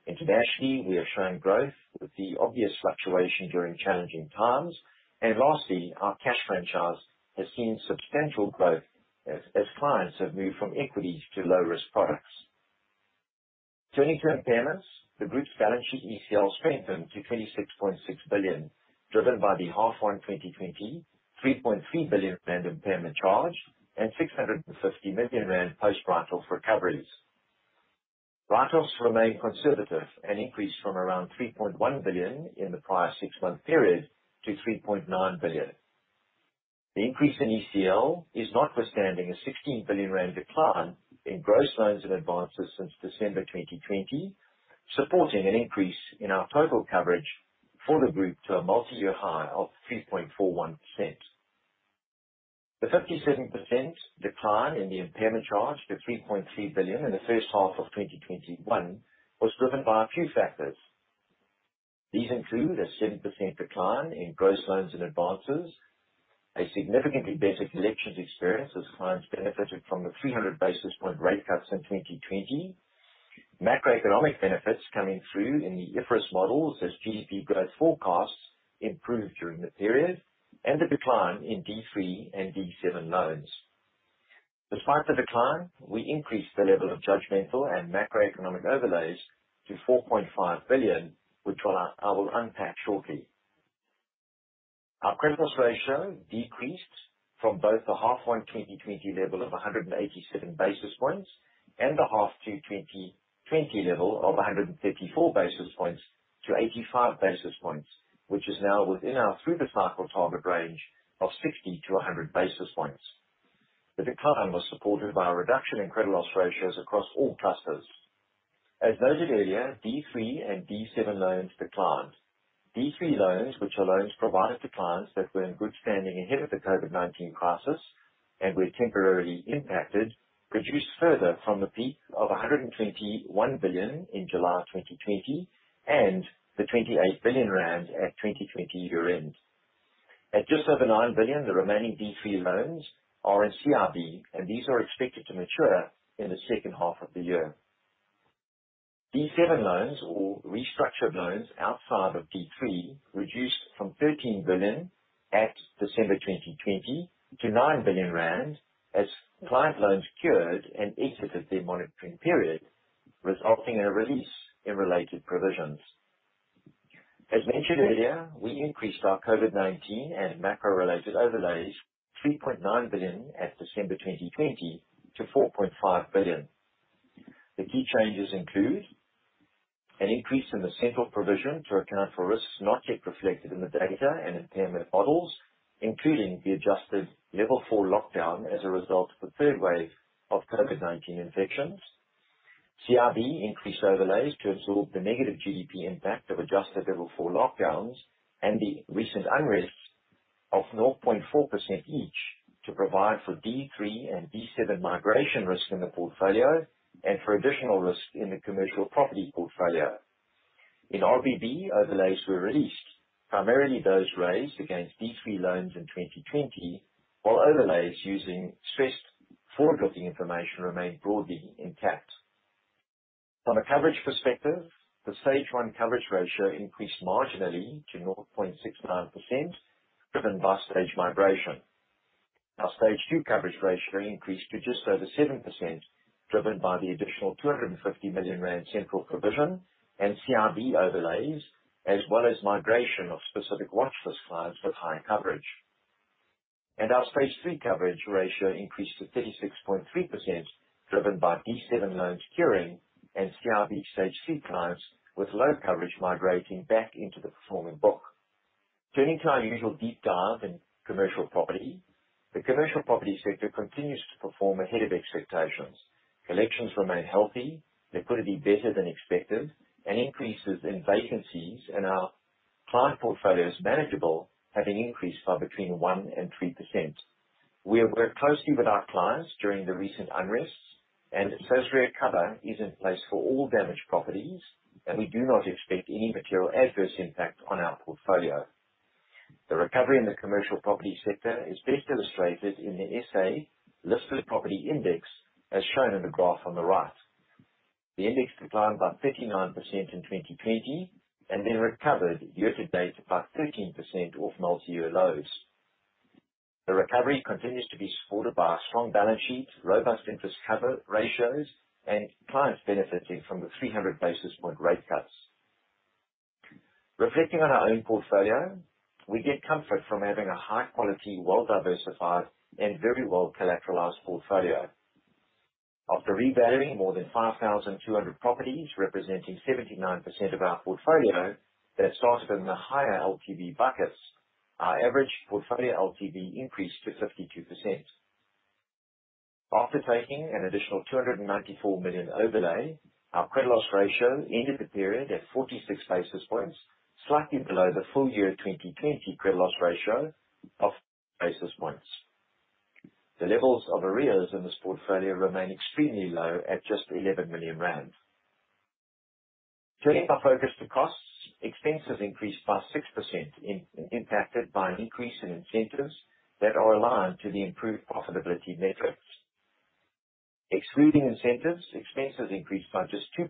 Internationally, we are showing growth with the obvious fluctuation during challenging times. Lastly, our cash franchise has seen substantial growth as clients have moved from equities to low-risk products. Turning to impairments, the group's balance sheet ECL strengthened to 26.6 billion, driven by the half one 2020 3.3 billion rand impairment charge and 650 million rand post-write-offs recoveries. Write-offs remain conservative and increased from around 3.1 billion in the prior six-month period to 3.9 billion. The increase in ECL is notwithstanding a 16 billion rand decline in gross loans and advances since December 2020, supporting an increase in our total coverage for the group to a multi-year high of 3.41%. The 57% decline in the impairment charge to 3.3 billion in the first half 2021 was driven by a few factors. These include a 7% decline in gross loans and advances, a significantly better collections experience as clients benefited from the 300 basis points rate cuts in 2020, macroeconomic benefits coming through in the IFRS models as GDP growth forecasts improved during the period, and the decline in D3 and D7 loans. Despite the decline, we increased the level of judgmental and macroeconomic overlays to 4.5 billion, which I will unpack shortly. Our credit loss ratio decreased from both the half one 2020 level of 187 basis points and the half two 2020 level of 134 basis points to 85 basis points, which is now within our through-the-cycle target range of 60-100 basis points. The decline was supported by a reduction in credit loss ratios across all clusters. As noted earlier, D3 and D7 loans declined. D3 loans, which are loans provided to clients that were in good standing ahead of the COVID-19 crisis and were temporarily impacted, reduced further from the peak of 121 billion in July 2020 and the 28 billion rand at 2020 year-end. At just over 9 billion, the remaining D3 loans are in CIB, and these are expected to mature in the second half of the year. D7 loans or restructured loans outside of D3 reduced from 13 billion at December 2020 to 9 billion rand as client loans cured and exited their monitoring period, resulting in a release in related provisions. As mentioned earlier, we increased our COVID-19 and macro-related overlays 3.9 billion at December 2020 to 4.5 billion. The key changes include an increase in the central provision to account for risks not yet reflected in the data and impairment models, including the adjusted level four lockdown as a result of the third wave of COVID-19 infections. CIB increased overlays to absorb the negative GDP impact of adjusted level four lockdowns and the recent unrest of 0.4% each to provide for D3 and D7 migration risk in the portfolio and for additional risk in the commercial property portfolio. In RBB, overlays were released, primarily those raised against D3 loans in 2020, while overlays using stressed forward-looking information remained broadly intact. From a coverage perspective, the stage one coverage ratio increased marginally to 0.69%, driven by stage migration. Our stage two coverage ratio increased to just over 7%, driven by the additional 250 million rand central provision and CRB overlays, as well as migration of specific watchlist clients with high coverage. Our stage three coverage ratio increased to 36.3%, driven by D7 loans curing and CRB stage three clients with low coverage migrating back into the performing book. Turning to our usual deep dive in commercial property, the commercial property sector continues to perform ahead of expectations. Collections remain healthy. Delinquency better than expected. Increases in vacancies in our client portfolio is manageable, having increased by between 1%-3%. We have worked closely with our clients during the recent unrests, and necessary cover is in place for all damaged properties, and we do not expect any material adverse impact on our portfolio. The recovery in the commercial property sector is best illustrated in the SA listed property index, as shown in the graph on the right. The index declined by 39% in 2020, and then recovered year-to-date by 13% off multi-year lows. The recovery continues to be supported by our strong balance sheet, robust interest cover ratios, and clients benefiting from the 300 basis point rate cuts. Reflecting on our own portfolio, we get comfort from having a high-quality, well-diversified, and very well-collateralized portfolio. After revaluing more than 5,200 properties, representing 79% of our portfolio that started in the higher LTV buckets, our average portfolio LTV increased to 52%. After taking an additional 294 million overlay, our credit loss ratio ended the period at 46 basis points, slightly below the full year 2020 credit loss ratio of basis points. The levels of arrears in this portfolio remain extremely low at just 11 million rand. Turning our focus to costs, expenses increased by 6%, impacted by an increase in incentives that are aligned to the improved profitability metrics. Excluding incentives, expenses increased by just 2%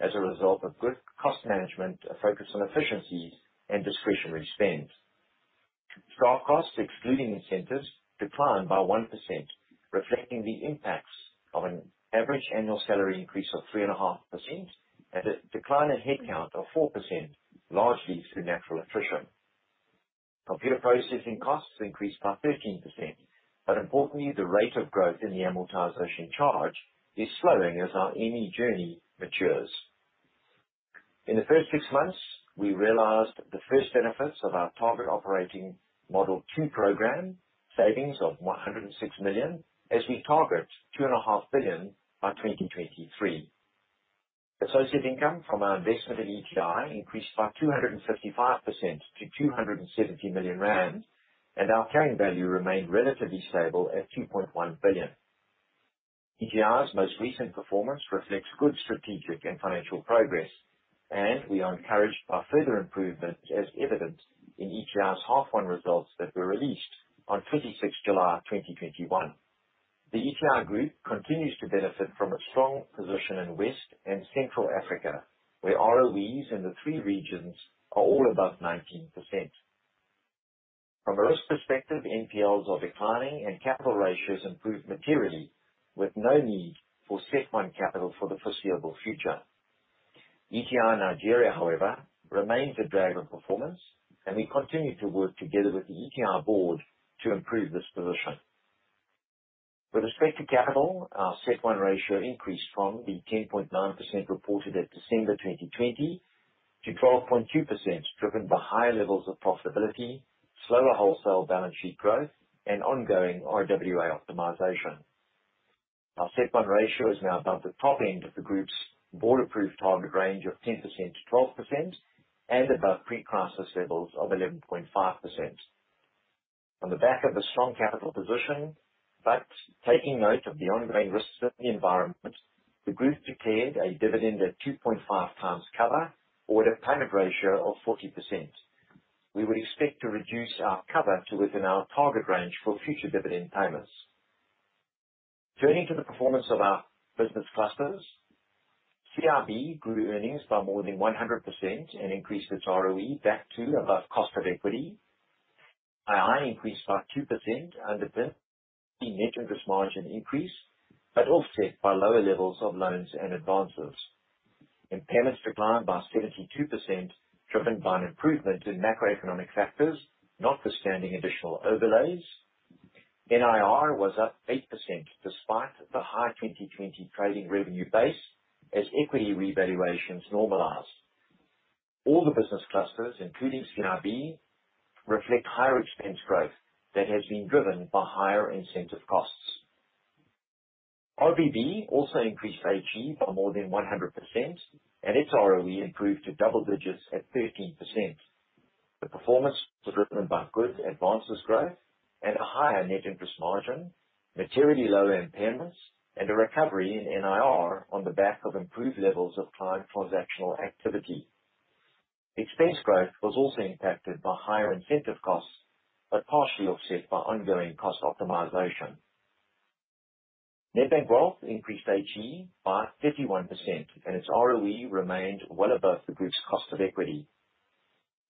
as a result of good cost management, a focus on efficiency, and discretionary spend. Staff costs, excluding incentives, declined by 1%, reflecting the impacts of an average annual salary increase of 3.5% and a decline in headcount of 4%, largely through natural attrition. Computer processing costs increased by 13%, but importantly, the rate of growth in the amortization charge is slowing as our ME journey matures. In the first six months, we realized the first benefits of our Target Operating Model 2.0 program, savings of 106 million, as we target 2.5 billion by 2023. Associate income from our investment in ETI increased by 255% to 270 million rand, and our carrying value remained relatively stable at 2.1 billion. ETI's most recent performance reflects good strategic and financial progress, and we are encouraged by further improvement as evidenced in ETI's H1 results that were released on 26 July 2021. The ETI Group continues to benefit from a strong position in West and Central Africa, where ROEs in the three regions are all above 19%. From a risk perspective, NPLs are declining and capital ratios improved materially with no need for CET1 capital for the foreseeable future. ETI Nigeria, however, remains a drag on performance, and we continue to work together with the ETI board to improve this position. With respect to capital, our CET1 ratio increased from the 10.9% reported at December 2020 to 12.2%, driven by higher levels of profitability, slower wholesale balance sheet growth, and ongoing RWA optimization. Our CET1 ratio is now above the top end of the group's board-approved target range of 10%-12% and above pre-crisis levels of 11.5%. Taking note of the ongoing risks of the environment, the group declared a dividend at 2.5x cover or at a payment ratio of 40%. We would expect to reduce our cover to within our target range for future dividend payments. Turning to the performance of our business clusters. CIB grew earnings by more than 100% and increased its ROE back to above cost of equity. NII increased by 2% under the net interest margin increase, offset by lower levels of loans and advances. Impairments declined by 72%, driven by an improvement in macroeconomic factors, notwithstanding additional overlays. NIR was up 8% despite the high 2020 trading revenue base as equity revaluations normalized. All the business clusters, including CIB, reflect higher expense growth that has been driven by higher incentive costs. RBB also increased HE by more than 100% and its ROE improved to double digits at 13%. The performance was driven by good advances growth and a higher net interest margin, materially lower impairments, and a recovery in NIR on the back of improved levels of client transactional activity. Expense growth was also impacted by higher incentive costs, partially offset by ongoing cost optimization. Nedbank Wealth increased HE by 51%, its ROE remained well above the group's cost of equity.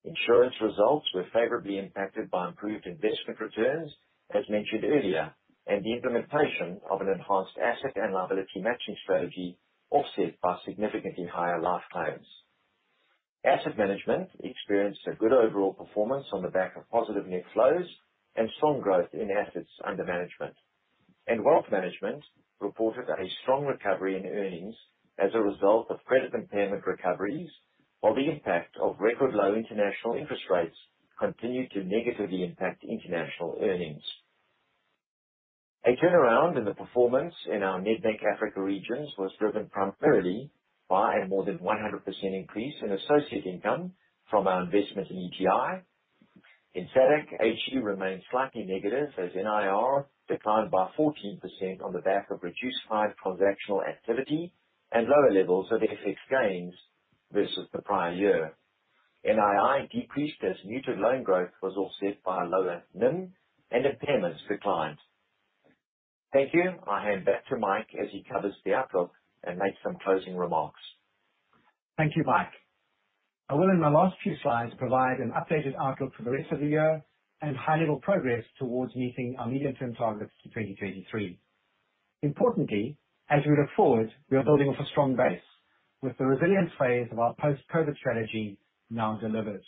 Insurance results were favorably impacted by improved investment returns, as mentioned earlier, and the implementation of an enhanced asset and liability matching strategy offset by significantly higher life claims. Asset Management experienced a good overall performance on the back of positive net flows and strong growth in assets under management. Wealth Management reported a strong recovery in earnings as a result of credit impairment recoveries, while the impact of record low international interest rates continued to negatively impact international earnings. A turnaround in the performance in our Nedbank Africa Regions was driven primarily by a more than 100% increase in associate income from our investment in ETI. In SADC, H2 remains slightly negative as NIR declined by 14% on the back of reduced fee transactional activity and lower levels of FX gains versus the prior year. NII decreased as muted loan growth was offset by lower NIM and impairments declined. Thank you. I hand back to Mike as he covers the outlook and makes some closing remarks. Thank you, Mike. I will, in my last few slides, provide an updated outlook for the rest of the year and high-level progress towards meeting our medium-term targets for 2023. Importantly, as we look forward, we are building off a strong base with the resilience phase of our post-COVID strategy now delivered.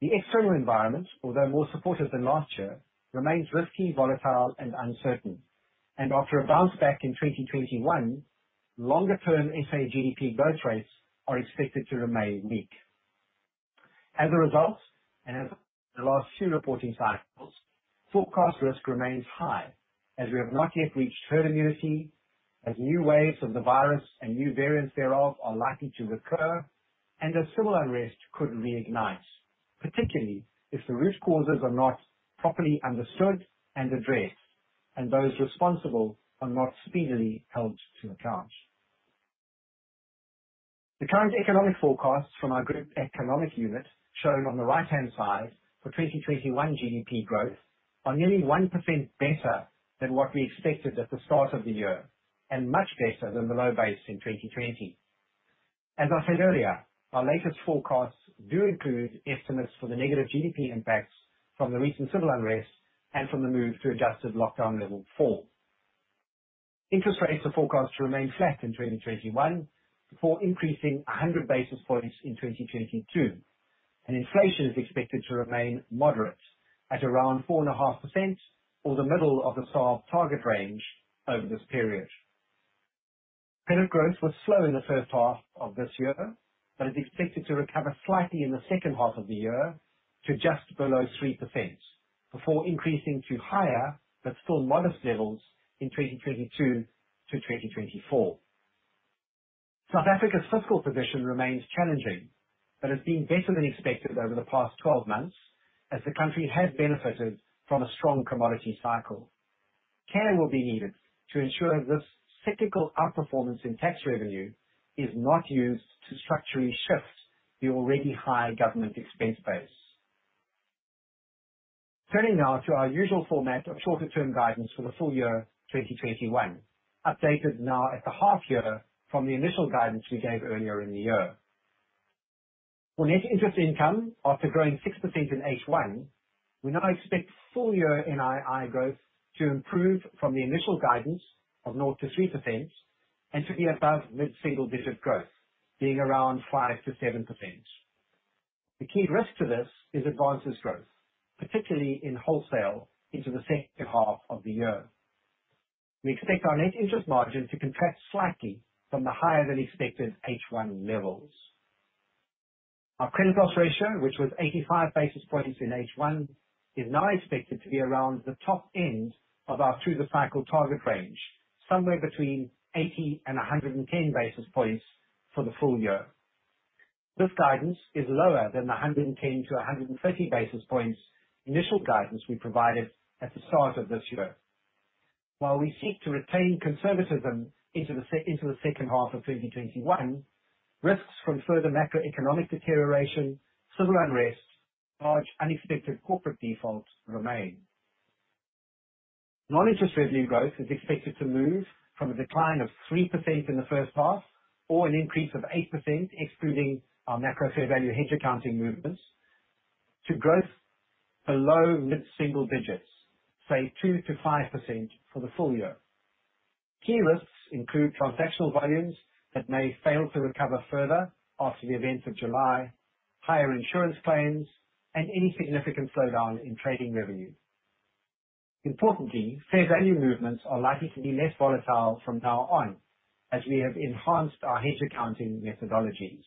The external environment, although more supportive than last year, remains risky, volatile, and uncertain. After a bounce back in 2021, longer-term SA GDP growth rates are expected to remain weak. As a result, and as the last few reporting cycles, forecast risk remains high as we have not yet reached herd immunity, as new waves of the virus and new variants thereof are likely to recur, and as civil unrest could reignite, particularly if the root causes are not properly understood and addressed, and those responsible are not speedily held to account. The current economic forecasts from our group economic unit shown on the right-hand side for 2021 GDP growth are nearly 1% better than what we expected at the start of the year, and much better than the low base in 2020. As I said earlier, our latest forecasts do include estimates for the negative GDP impacts from the recent civil unrest and from the move to adjusted lockdown level four. Interest rates are forecast to remain flat in 2021 before increasing 100 basis points in 2022. Inflation is expected to remain moderate at around 4.5% or the middle of the SARB target range over this period. Credit growth was slow in the first half of this year, but is expected to recover slightly in the second half of the year to just below 3%, before increasing to higher but still modest levels in 2022 to 2024. South Africa's fiscal position remains challenging, but has been better than expected over the past 12 months as the country has benefited from a strong commodity cycle. Care will be needed to ensure this cyclical outperformance in tax revenue is not used to structurally shift the already high government expense base. Turning now to our usual format of shorter-term guidance for the full year 2021, updated now at the half year from the initial guidance we gave earlier in the year. For net interest income, after growing 6% in H1, we now expect full year NII growth to improve from the initial guidance of 0%-3% and to be above mid-single digit growth, being around 5%-7%. The key risk to this is advances growth, particularly in wholesale into the second half of the year. We expect our net interest margin to contract slightly from the higher-than-expected H1 levels. Our credit loss ratio, which was 85 basis points in H1, is now expected to be around the top end of our through the cycle target range, somewhere between 80 and 110 basis points for the full year. This guidance is lower than the 110-130 basis points initial guidance we provided at the start of this year. While we seek to retain conservatism into the second half of 2021, risks from further macroeconomic deterioration, civil unrest, large unexpected corporate defaults remain. Non-interest revenue growth is expected to move from a decline of 3% in the first half or an increase of 8%, excluding our macro fair value hedge accounting movements, to growth below mid-single digits, say 2%-5% for the full year. Key risks include transactional volumes that may fail to recover further after the events of July, higher insurance claims, and any significant slowdown in trading revenue. Importantly, fair value movements are likely to be less volatile from now on as we have enhanced our hedge accounting methodologies.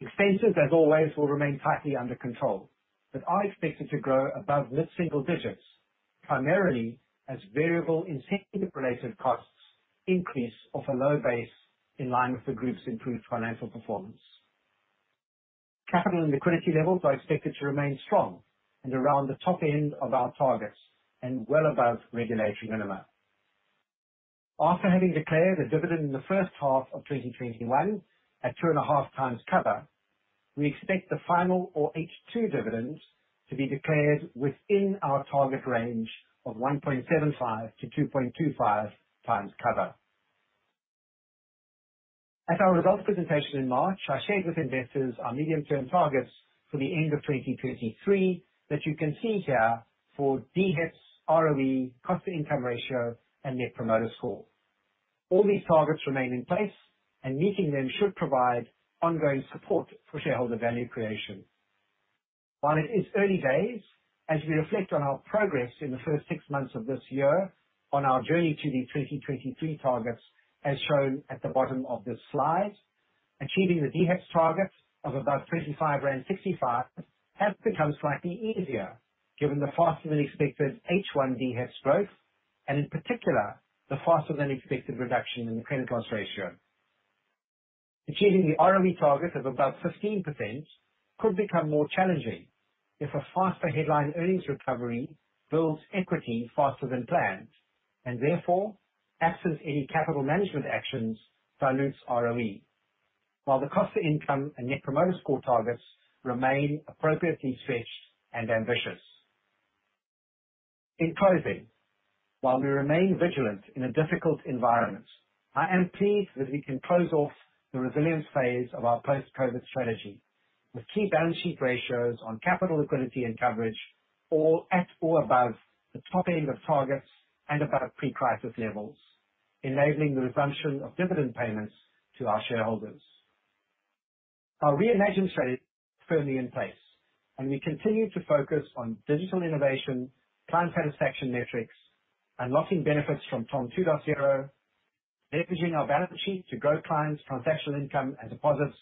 Expenses, as always, will remain tightly under control, but are expected to grow above mid-single digits, primarily as variable incentive-related costs increase off a low base in line with the group's improved financial performance. Capital and liquidity levels are expected to remain strong and around the top end of our targets and well above regulatory minimum. After having declared a dividend in the first half of 2021 at 2.5x cover, we expect the final or H2 dividends to be declared within our target range of 1.75x-2.25x times cover. At our results presentation in March, I shared with investors our medium-term targets for the end of 2023 that you can see here for DHEPS, ROE, cost-to-income ratio, and Net Promoter Score. All these targets remain in place, and meeting them should provide ongoing support for shareholder value creation. While it is early days, as we reflect on our progress in the first six months of this year on our journey to the 2023 targets, as shown at the bottom of this slide, Achieving the DHEPS targets of about 35.65 rand has become slightly easier given the faster-than-expected H1 DHEPS growth, and in particular, the faster-than-expected reduction in the credit loss ratio. Achieving the ROE target of above 15% could become more challenging if a faster headline earnings recovery builds equity faster than planned, and therefore, absent any capital management actions, dilutes ROE. While the cost to income and Net Promoter Score targets remain appropriately stretched and ambitious. In closing, while we remain vigilant in a difficult environment, I am pleased that we can close off the resilience phase of our post-COVID-19 strategy with key balance sheet ratios on capital liquidity and coverage all at or above the top end of targets and above pre-crisis levels, enabling the resumption of dividend payments to our shareholders. Our reimagined strategy is firmly in place, and we continue to focus on digital innovation, client satisfaction metrics, unlocking benefits from TOM 2.0, leveraging our balance sheet to grow clients' transactional income and deposits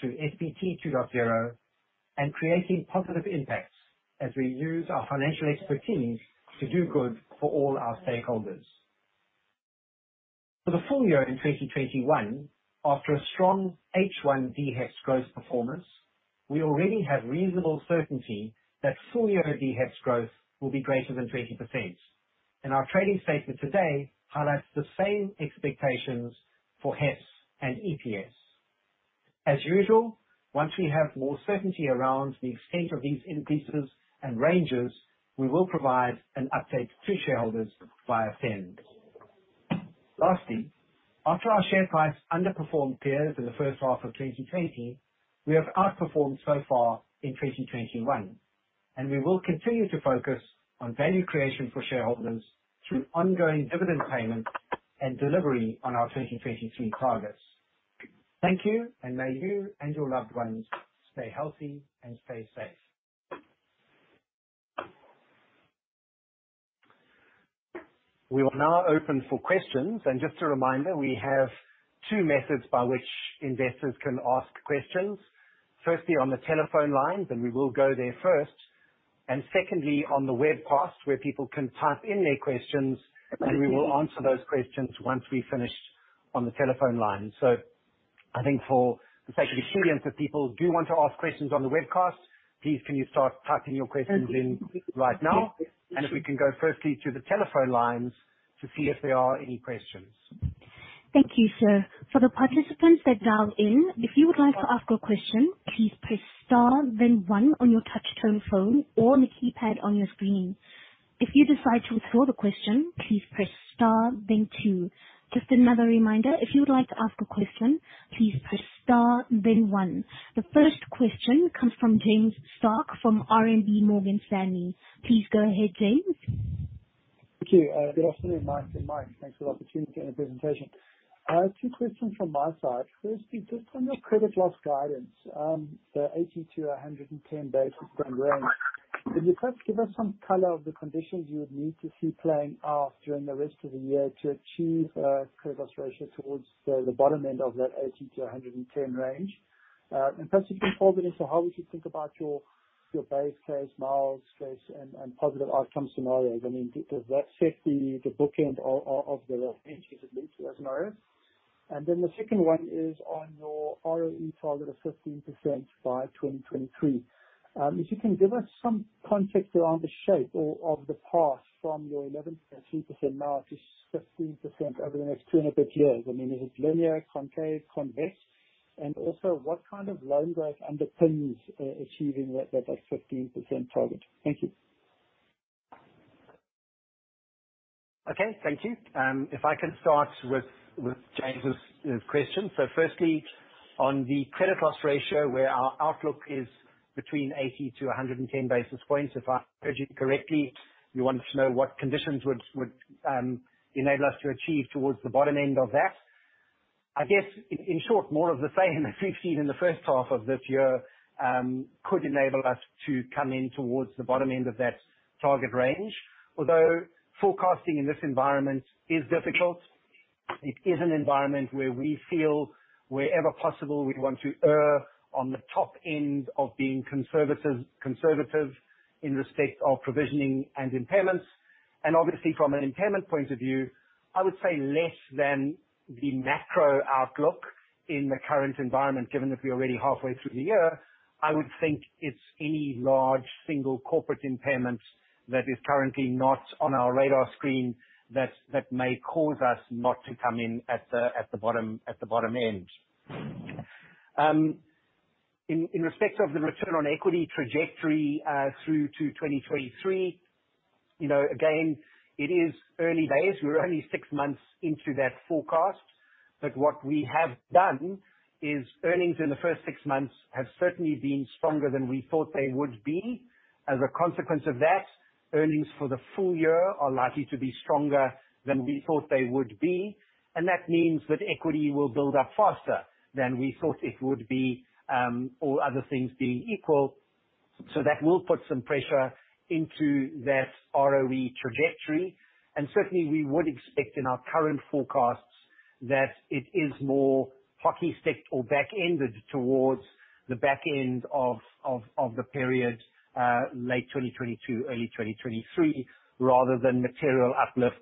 through SPT 2.0, and creating positive impacts as we use our financial expertise to do good for all our stakeholders. For the full year in 2021, after a strong H1 DHEPS growth performance, we already have reasonable certainty that full-year DHEPS growth will be greater than 20%. Our trading statement today highlights the same expectations for HEPS and EPS. As usual, once we have more certainty around the extent of these increases and ranges, we will provide an update to shareholders via SENS. Lastly, after our share price underperformed peers in the first half of 2020, we have outperformed so far in 2021, and we will continue to focus on value creation for shareholders through ongoing dividend payments and delivery on our 2023 targets. Thank you, and may you and your loved ones stay healthy and stay safe. We will now open for questions. Just a reminder, we have two methods by which investors can ask questions. Firstly, on the telephone lines, and we will go there first. Secondly, on the webcast, where people can type in their questions, and we will answer those questions once we finish on the telephone line. I think for the sake of the trillions of people who do want to ask questions on the webcast, please can you start typing your questions in right now? If we can go firstly to the telephone lines to see if there are any questions. Thank you, sir. The first question comes from James Starke from RMB Morgan Stanley. Please go ahead, James. Thank you. Good afternoon, Mike and Mike. Thanks for the opportunity and the presentation. I have two questions from my side. Firstly, just on your credit loss guidance, the 80-110 basis point range. Could you first give us some color of the conditions you would need to see playing out during the rest of the year to achieve a credit loss ratio towards the bottom end of that 80-110 range? Perhaps you can fold it into how we should think about your base case, bear case, and positive outcome scenarios. I mean, does that set the bookend of the range that it leads to as an? [inaudible] The second one is on your ROE target of 15% by 2023. If you can give us some context around the shape of the path from your 11.2% now to 15% over the next two and a bit years. I mean, is it linear, concave, convex? Also what kind of loan growth underpins achieving that 15% target? Thank you. Okay. Thank you. If I can start with James' question. Firstly, on the credit loss ratio, where our outlook is between 80-110 basis points. If I heard you correctly, you wanted to know what conditions would enable us to achieve towards the bottom end of that. I guess, in short, more of the same we've seen in the first half of this year could enable us to come in towards the bottom end of that target range. Forecasting in this environment is difficult, it is an environment where we feel wherever possible, we want to err on the top end of being conservative in respect of provisioning and impairments. Obviously, from an impairment point of view, I would say less than the macro outlook in the current environment, given that we're already halfway through the year. I would think it is any large single corporate impairment that is currently not on our radar screen that may cause us not to come in at the bottom end. In respect of the return on equity trajectory, through to 2023, again, it is early days. We are only six months into that forecast. What we have done is earnings in the first six months have certainly been stronger than we thought they would be. As a consequence of that, earnings for the full year are likely to be stronger than we thought they would be, and that means that equity will build up faster than we thought it would be, all other things being equal. That will put some pressure into that ROE trajectory. Certainly, we would expect in our current forecasts that it is more hockey stick or back-ended towards the back end of the period, late 2022, early 2023, rather than material uplift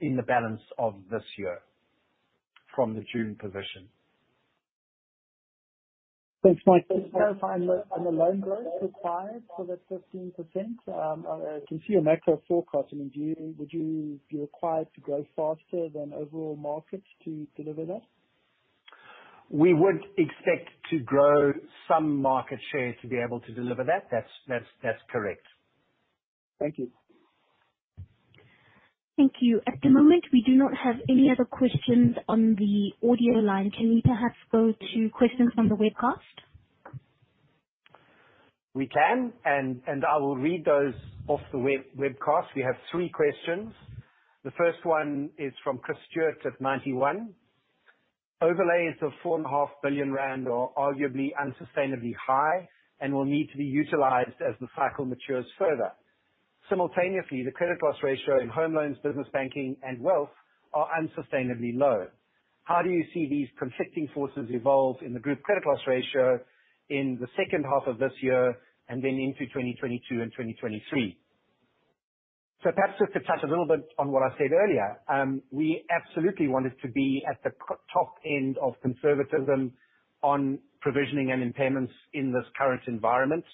in the balance of this year from the June position. Thanks, Mike. Just to clarify on the loan growth required for that 15%, I can see your macro forecasting. Would you be required to grow faster than overall markets to deliver that? We would expect to grow some market share to be able to deliver that. That's correct. Thank you. Thank you. At the moment, we do not have any other questions on the audio line. Can we perhaps go to questions on the webcast? We can. I will read those off the webcast. We have three questions. The first one is from Chris Steward at Ninety One. Overlays of 4.5 billion rand are arguably unsustainably high and will need to be utilized as the cycle matures further. Simultaneously, the credit loss ratio in home loans, business banking, and wealth are unsustainably low. How do you see these conflicting forces evolve in the group credit loss ratio in the second half of this year and then into 2022 and 2023? Perhaps just to touch a little bit on what I said earlier. We absolutely want it to be at the top end of conservatism on provisioning and impairments in this current environment.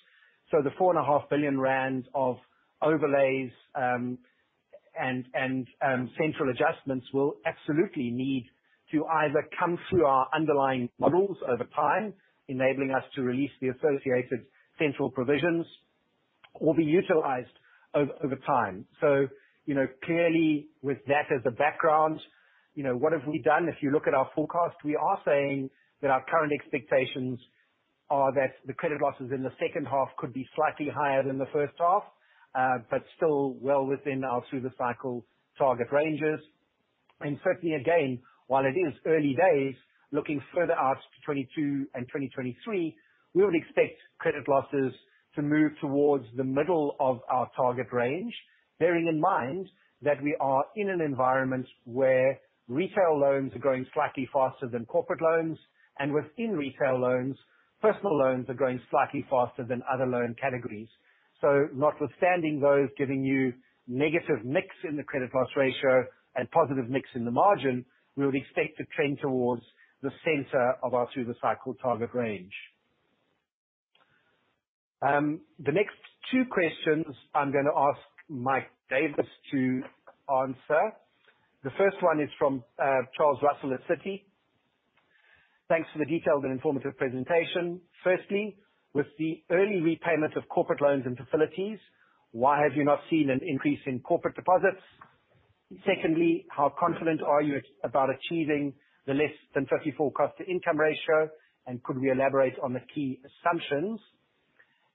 The 4.5 billion rand of overlays, and central adjustments will absolutely need to either come through our underlying models over time, enabling us to release the associated central provisions or be utilized over time. Clearly with that as a background, what have we done? If you look at our forecast, we are saying that our current expectations are that the credit losses in the second half could be slightly higher than the first half. Still well within our through-the-cycle target ranges. Certainly again, while it is early days, looking further out to 2022 and 2023, we would expect credit losses to move towards the middle of our target range, bearing in mind that we are in an environment where retail loans are growing slightly faster than corporate loans. Within retail loans, personal loans are growing slightly faster than other loan categories. Notwithstanding those giving you negative mix in the credit loss ratio and positive mix in the margin, we would expect to trend towards the center of our through-the-cycle target range. The next two questions I'm going to ask Mike Davis to answer. The first one is from Charles Russell at Citi. Thanks for the detailed and informative presentation. Firstly, with the early repayment of corporate loans and facilities, why have you not seen an increase in corporate deposits? Secondly, how confident are you about achieving the less than 54% cost to income ratio, and could we elaborate on the key assumptions?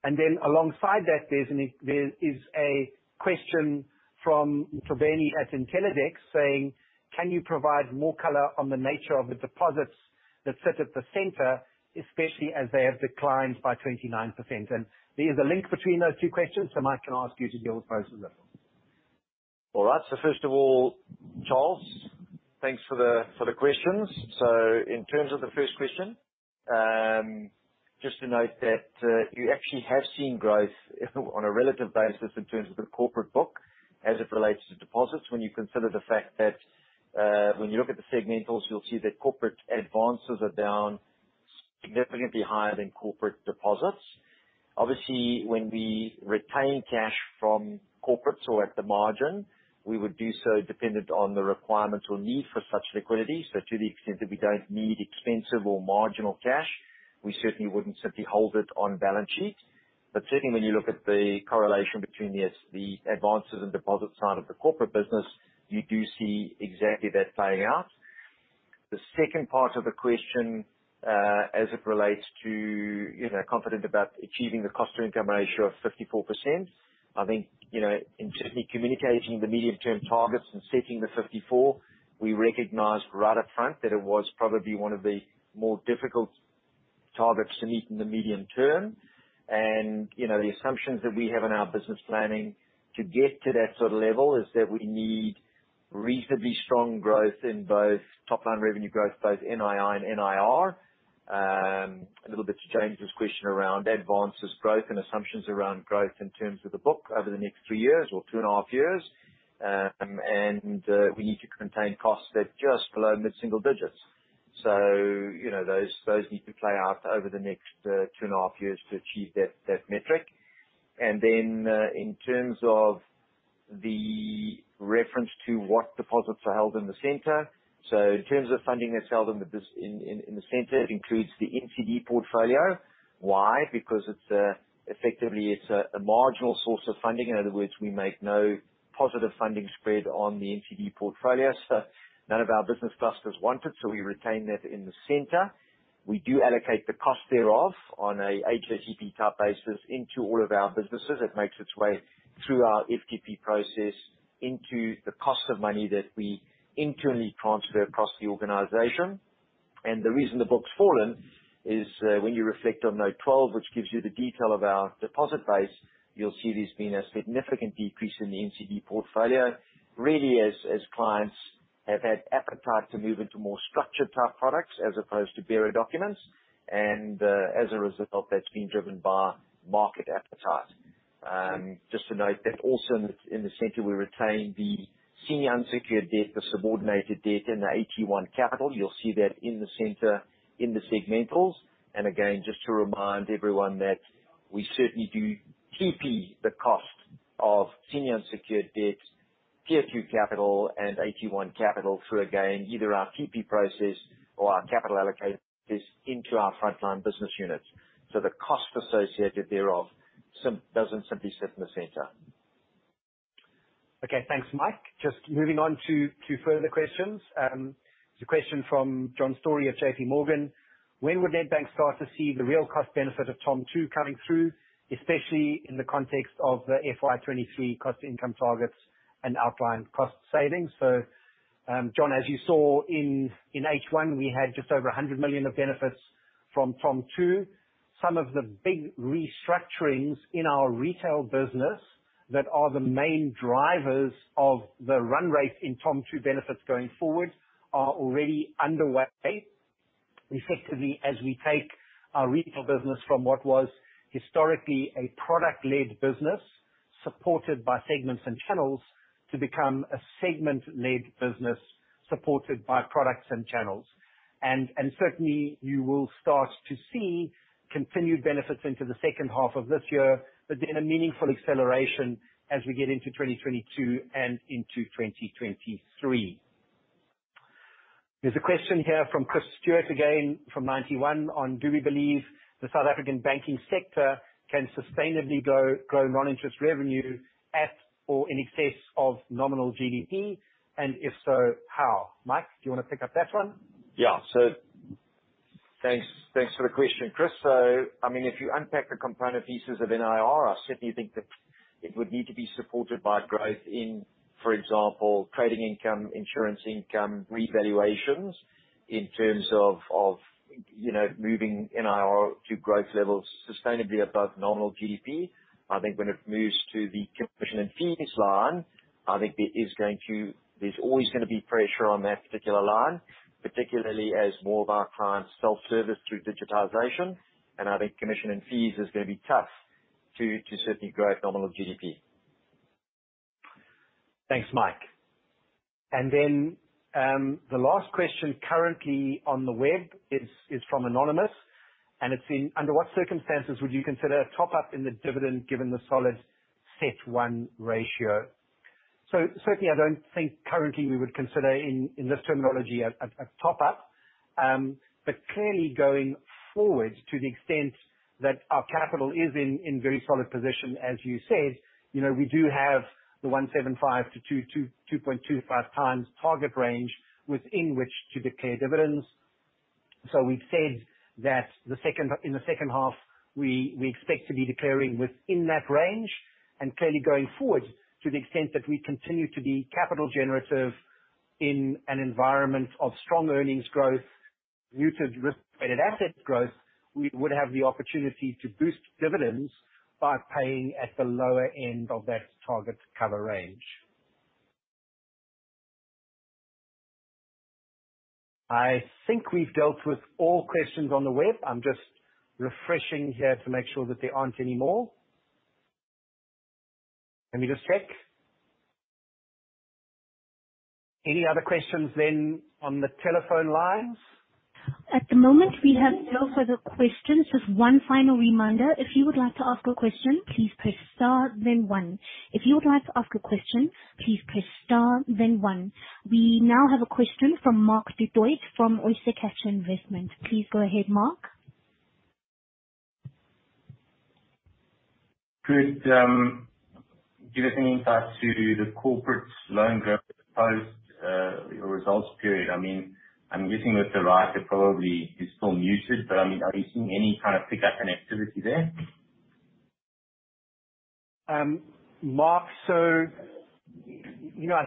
Alongside that, there is a question from Triveni at Intellidex saying, "Can you provide more color on the nature of the deposits that sit at the center, especially as they have declined by 29%?" There is a link between those two questions, Mike, I can ask you to deal with both of them. All right. First of all, Charles, thanks for the questions. In terms of the first question, just to note that you actually have seen growth on a relative basis in terms of the corporate book as it relates to deposits. When you consider the fact that when you look at the segmentals, you'll see that corporate advances are down significantly higher than corporate deposits. Obviously, when we retain cash from corporates or at the margin, we would do so dependent on the requirement or need for such liquidity. To the extent that we don't need expensive or marginal cash, we certainly wouldn't simply hold it on balance sheet. Certainly when you look at the correlation between the advances and deposit side of the corporate business, you do see exactly that playing out. The second part of the question, as it relates to confident about achieving the cost-to-income ratio of 54%, I think, in certainly communicating the medium-term targets and setting the 54%, we recognized right up front that it was probably one of the more difficult targets to meet in the medium-term. The assumptions that we have in our business planning to get to that sort of level is that we need reasonably strong growth in both top-line revenue growth, both NII and NIR. A little bit to James' question around advances growth and assumptions around growth in terms of the book over the next three years or two and a half years. We need to contain costs that are just below mid-single digits. Those need to play out over the next two and a half years to achieve that metric. In terms of the reference to what deposits are held in the center. In terms of funding, that's held in the center. It includes the NCD portfolio. Why? Because effectively, it's a marginal source of funding. In other words, we make no positive funding spread on the NCD portfolio. None of our business clusters want it, so we retain that in the center. We do allocate the cost thereof on a HSBP type basis into all of our businesses. It makes its way through our FTP process into the cost of money that we internally transfer across the organization. The reason the book's fallen is when you reflect on note 12, which gives you the detail of our deposit base, you'll see there's been a significant decrease in the NCD portfolio, really as clients have had appetite to move into more structured type products as opposed to bearer documents. As a result, that's been driven by market appetite. Just to note that also in the center, we retain the senior unsecured debt, the subordinated debt, and the AT1 capital. You'll see that in the center, in the segmentals. Again, just to remind everyone that we certainly do FTP the cost of senior unsecured debt, tier 2 capital, and AT1 capital through, again, either our FTP process or our capital allocators into our frontline business units. The cost associated thereof doesn't simply sit in the center. Okay. Thanks, Mike. Just moving on to two further questions. There's a question from John Storey of JPMorgan. When would Nedbank start to see the real cost benefit of TOM 2.0 coming through, especially in the context of the FY 2023 cost income targets and outlined cost savings? John, as you saw in H1, we had just over 100 million of benefits from TOM 2.0. Some of the big restructurings in our retail business that are the main drivers of the run rate in TOM 2.0 benefits going forward are already underway. Effectively, as we take our retail business from what was historically a product-led business supported by segments and channels, to become a segment-led business supported by products and channels. Certainly, you will start to see continued benefits into the second half of this year, but then a meaningful acceleration as we get into 2022 and into 2023. There's a question here from Chris Steward, again, from Ninety One on do we believe the South African banking sector can sustainably grow non-interest revenue at or in excess of nominal GDP? If so, how? Mike, do you want to pick up that one? Yeah. Thanks for the question, Chris. If you unpack the component pieces of NIR, I certainly think that it would need to be supported by growth in, for example, trading income, insurance income, revaluations in terms of moving NIR to growth levels sustainably above nominal GDP. I think when it moves to the commission and fees line, there's always going to be pressure on that particular line, particularly as more of our clients self-service through digitization. I think commission and fees is going to be tough to certainly grow at nominal GDP. Thanks, Mike. The last question currently on the web is from anonymous, and it's under what circumstances would you consider a top-up in the dividend given the solid CET1 ratio? Certainly, I don't think currently we would consider in this terminology a top-up. Clearly going forward to the extent that our capital is in very solid position, as you said, we do have the 1.75x to 2.25x target range within which to declare dividends. We've said that in the second half, we expect to be declaring within that range. Clearly going forward, to the extent that we continue to be capital generative in an environment of strong earnings growth muted risk-weighted asset growth, we would have the opportunity to boost dividends by paying at the lower end of that target cover range. I think we've dealt with all questions on the web. I'm just refreshing here to make sure that there aren't any more. Let me just check. Any other questions then on the telephone lines? At the moment, we have no further questions. Just one final reminder. If you would like to ask a question please pless star the one. We now have a question from Mark du Toit from Oyster Catcher Investments. Please go ahead, Mark. Chris, give us an insight to the corporate loan growth post your results period. I'm guessing that the rise probably is still muted, but are you seeing any kind of pickup in activity there? Mark, I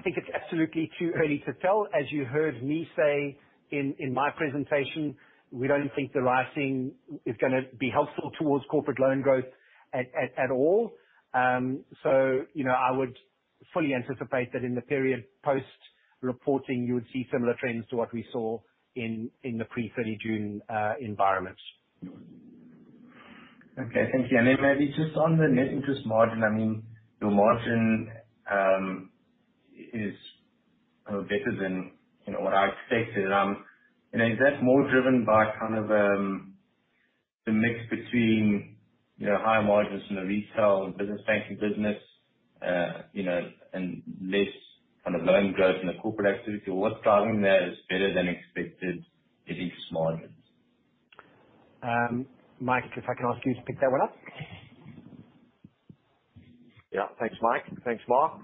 think it's absolutely too early to tell. As you heard me say in my presentation, we don't think the rising is going to be helpful towards corporate loan growth at all. I would fully anticipate that in the period post-reporting, you would see similar trends to what we saw in the pre-30 June environment. Okay. Thank you. Then maybe just on the net interest margin. Your margin is better than what I expected. Is that more driven by kind of the mix between higher margins in the Retail and Business Banking business, and less loan growth in the corporate activity? What's driving that is better-than-expected interest margins? Mike, if I can ask you to pick that one up. Thanks, Mike. Thanks, Mark.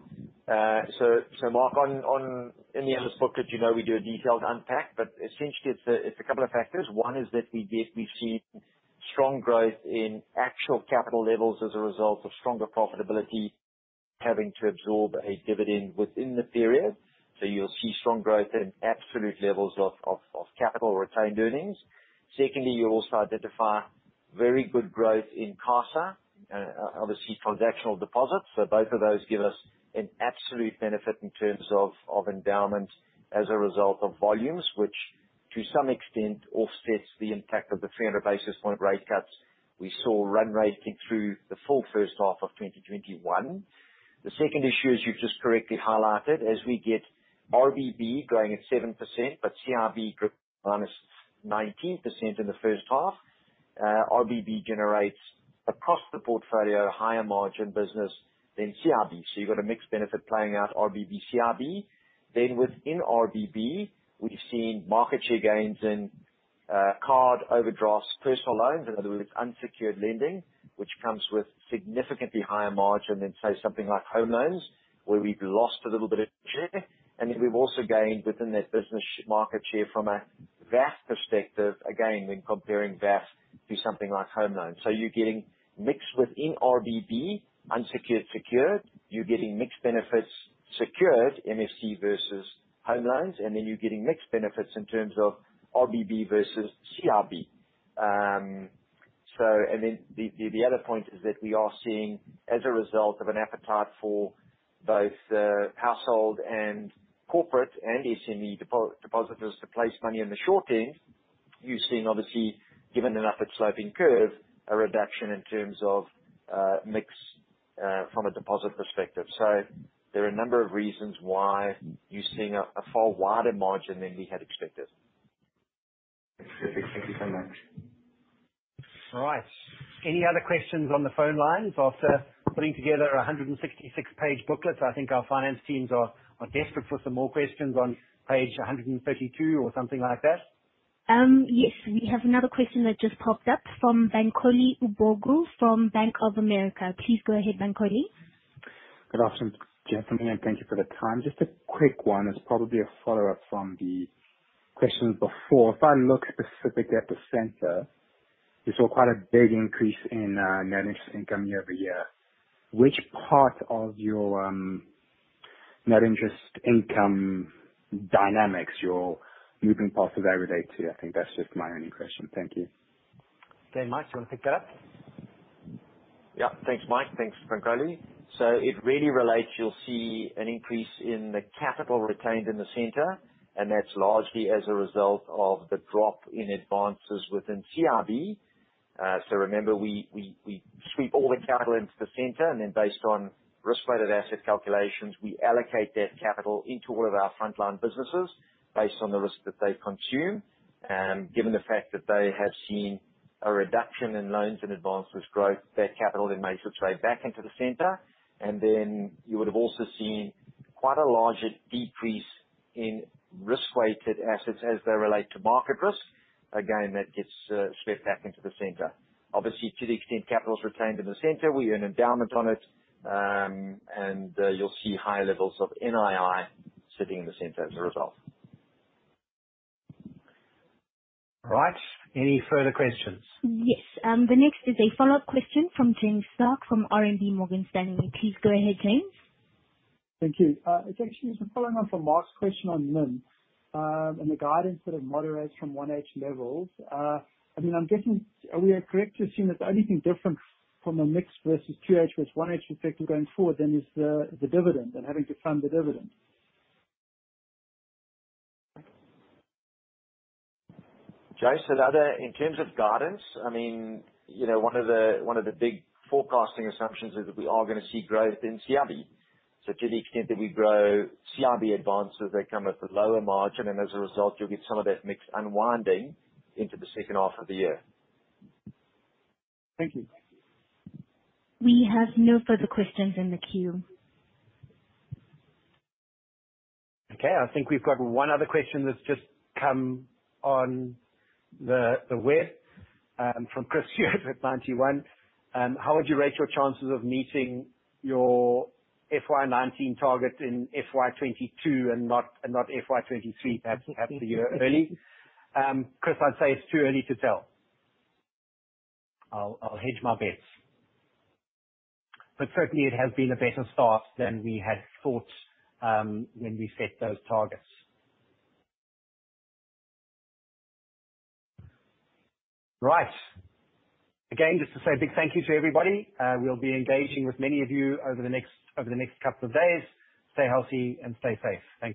Mark, in the annual report, as you know, we do a detailed unpack, but essentially it's a couple of factors. One is that we've seen strong growth in actual capital levels as a result of stronger profitability. Having to absorb a dividend within the period. You'll see strong growth in absolute levels of capital retained earnings. Secondly, you'll also identify very good growth in CASA, obviously transactional deposits. Both of those give us an absolute benefit in terms of endowment as a result of volumes, which to some extent offsets the impact of the 300 basis points rate cuts we saw run rate through the full first half of 2021. The second issue is, you've just correctly highlighted, as we get RBB growing at 7%, but CIB dropped -19% in the first half. RBB generates across the portfolio higher margin business than CIB. You've got a mixed benefit playing out RBB, CIB. Within RBB, we've seen market share gains in card overdrafts, personal loans. In other words, unsecured lending, which comes with significantly higher margin than, say, something like home loans, where we've lost a little bit of share. We've also gained within that business market share from a VAF perspective, again, when comparing VAF to something like home loans. You're getting mixed within RBB, unsecured, secured. You're getting mixed benefits secured, MFC versus home loans, and then you're getting mixed benefits in terms of RBB versus CIB. The other point is that we are seeing, as a result of an appetite for both household and corporate and SME depositors to place money in the short term, you're seeing, obviously, given an upward sloping curve, a reduction in terms of mix from a deposit perspective. There are a number of reasons why you're seeing a far wider margin than we had expected. Perfect. Thank you so much. All right. Any other questions on the phone lines? After putting together a 166-page booklet, I think our finance teams are desperate for some more questions on page 132 or something like that. Yes. We have another question that just popped up from Bankole Ubogu from Bank of America. Please go ahead, Bankole. Good afternoon, gentlemen. Thank you for the time. Just a quick one. It's probably a follow-up from the question before. If I look specifically at the center, we saw quite a big increase in net interest income year-over-year. Which part of your net interest income dynamics you're moving parts of today? I think that's just my only question. Thank you. Okay, Mike, do you want to pick that up? Yeah. Thanks, Mike. Thanks, Bankole. It really relates, you'll see an increase in the capital retained in the center, and that's largely as a result of the drop in advances within CIB. Remember, we sweep all the capital into the center, and then based on risk-weighted asset calculations, we allocate that capital into all of our frontline businesses based on the risk that they consume. Given the fact that they have seen a reduction in loans and advances growth, that capital then may subside back into the center. Then you would have also seen quite a large decrease in risk-weighted assets as they relate to market risk. Again, that gets swept back into the center. Obviously, to the extent capital is retained in the center, we earn endowment on it. You'll see higher levels of NII sitting in the center as a result. Right. Any further questions? Yes. The next is a follow-up question from James Starke from RMB Morgan Stanley. Please go ahead, James. Thank you. It's actually just following on from Mark's question on NIM and the guidance that it moderates from 1H levels. Are we correct to assume that the only thing different from a mix versus 2H versus 1H effect going forward then is the dividend and having to fund the dividend? James, in terms of guidance, one of the big forecasting assumptions is that we are going to see growth in CIB. To the extent that we grow CIB advances, they come at a lower margin, and as a result, you'll get some of that mix unwinding into the second half of the year. Thank you. We have no further questions in the queue. I think we've got one other question that's just come on the web from Chris at Ninety One. How would you rate your chances of meeting your FY 2019 target in FY 2022 and not FY 2023, perhaps a year early? Chris, I'd say it's too early to tell. I'll hedge my bets. Certainly, it has been a better start than we had thought when we set those targets. Right. Again, just to say a big thank you to everybody. We'll be engaging with many of you over the next couple of days. Stay healthy and stay safe. Thank you.